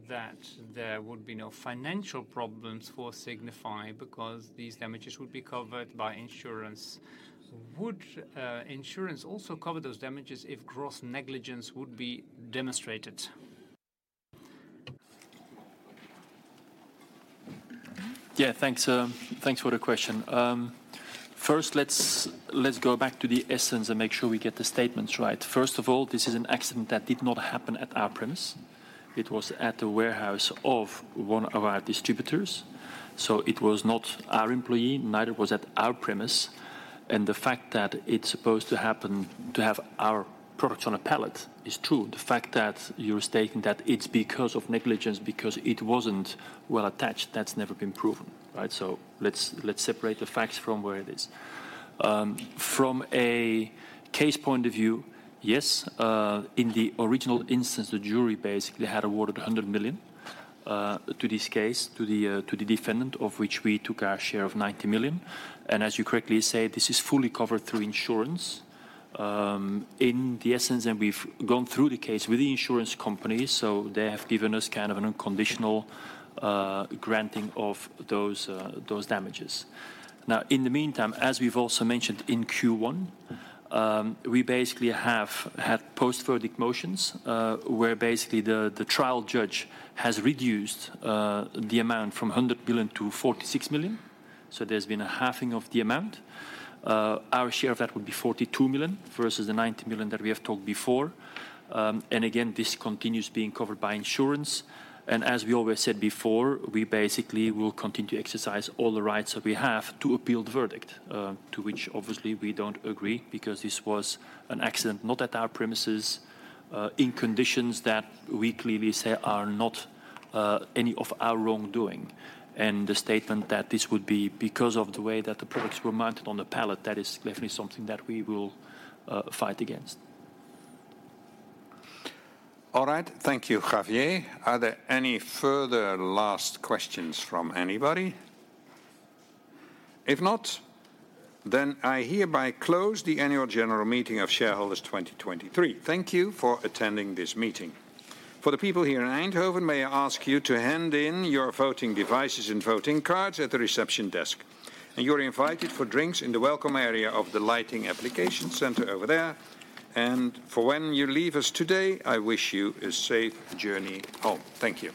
that there would be no financial problems for Signify because these damages would be covered by insurance. Would insurance also cover those damages if gross negligence would be demonstrated? Thanks, thanks for the question. First, let's go back to the essence and make sure we get the statements right. First of all, this is an accident that did not happen at our premise. It was at the warehouse of one of our distributors. It was not our employee, neither was at our premise. The fact that it's supposed to happen to have our products on a pallet is true. The fact that you're stating that it's because of negligence because it wasn't well-attached, that's never been proven, right? Let's separate the facts from where it is. From a case point of view, yes, in the original instance, the jury basically had awarded 100 million to this case, to the defendant, of which we took our share of 90 million. As you correctly say, this is fully covered through insurance, in the essence, we've gone through the case with the insurance company, they have given us kind of an unconditional granting of those damages. In the meantime, as we've also mentioned in Q1, we basically have had post-verdict motions, where basically the trial judge has reduced the amount from 100 million-46 million, so there's been a halving of the amount. Our share of that would be 42 million versus the 90 million that we have talked before. Again, this continues being covered by insurance. As we always said before, we basically will continue to exercise all the rights that we have to appeal the verdict, to which obviously we don't agree because this was an accident not at our premises, in conditions that we clearly say are not any of our wrongdoing. The statement that this would be because of the way that the products were mounted on the pallet, that is definitely something that we will fight against. All right. Thank you, Javier. Are there any further last questions from anybody? If not, I hereby close the Annual General Meeting of Shareholders 2023. Thank you for attending this meeting. For the people here in Eindhoven, may I ask you to hand in your voting devices and voting cards at the reception desk. You're invited for drinks in the welcome area of the Lighting Application Center over there. For when you leave us today, I wish you a safe journey home. Thank you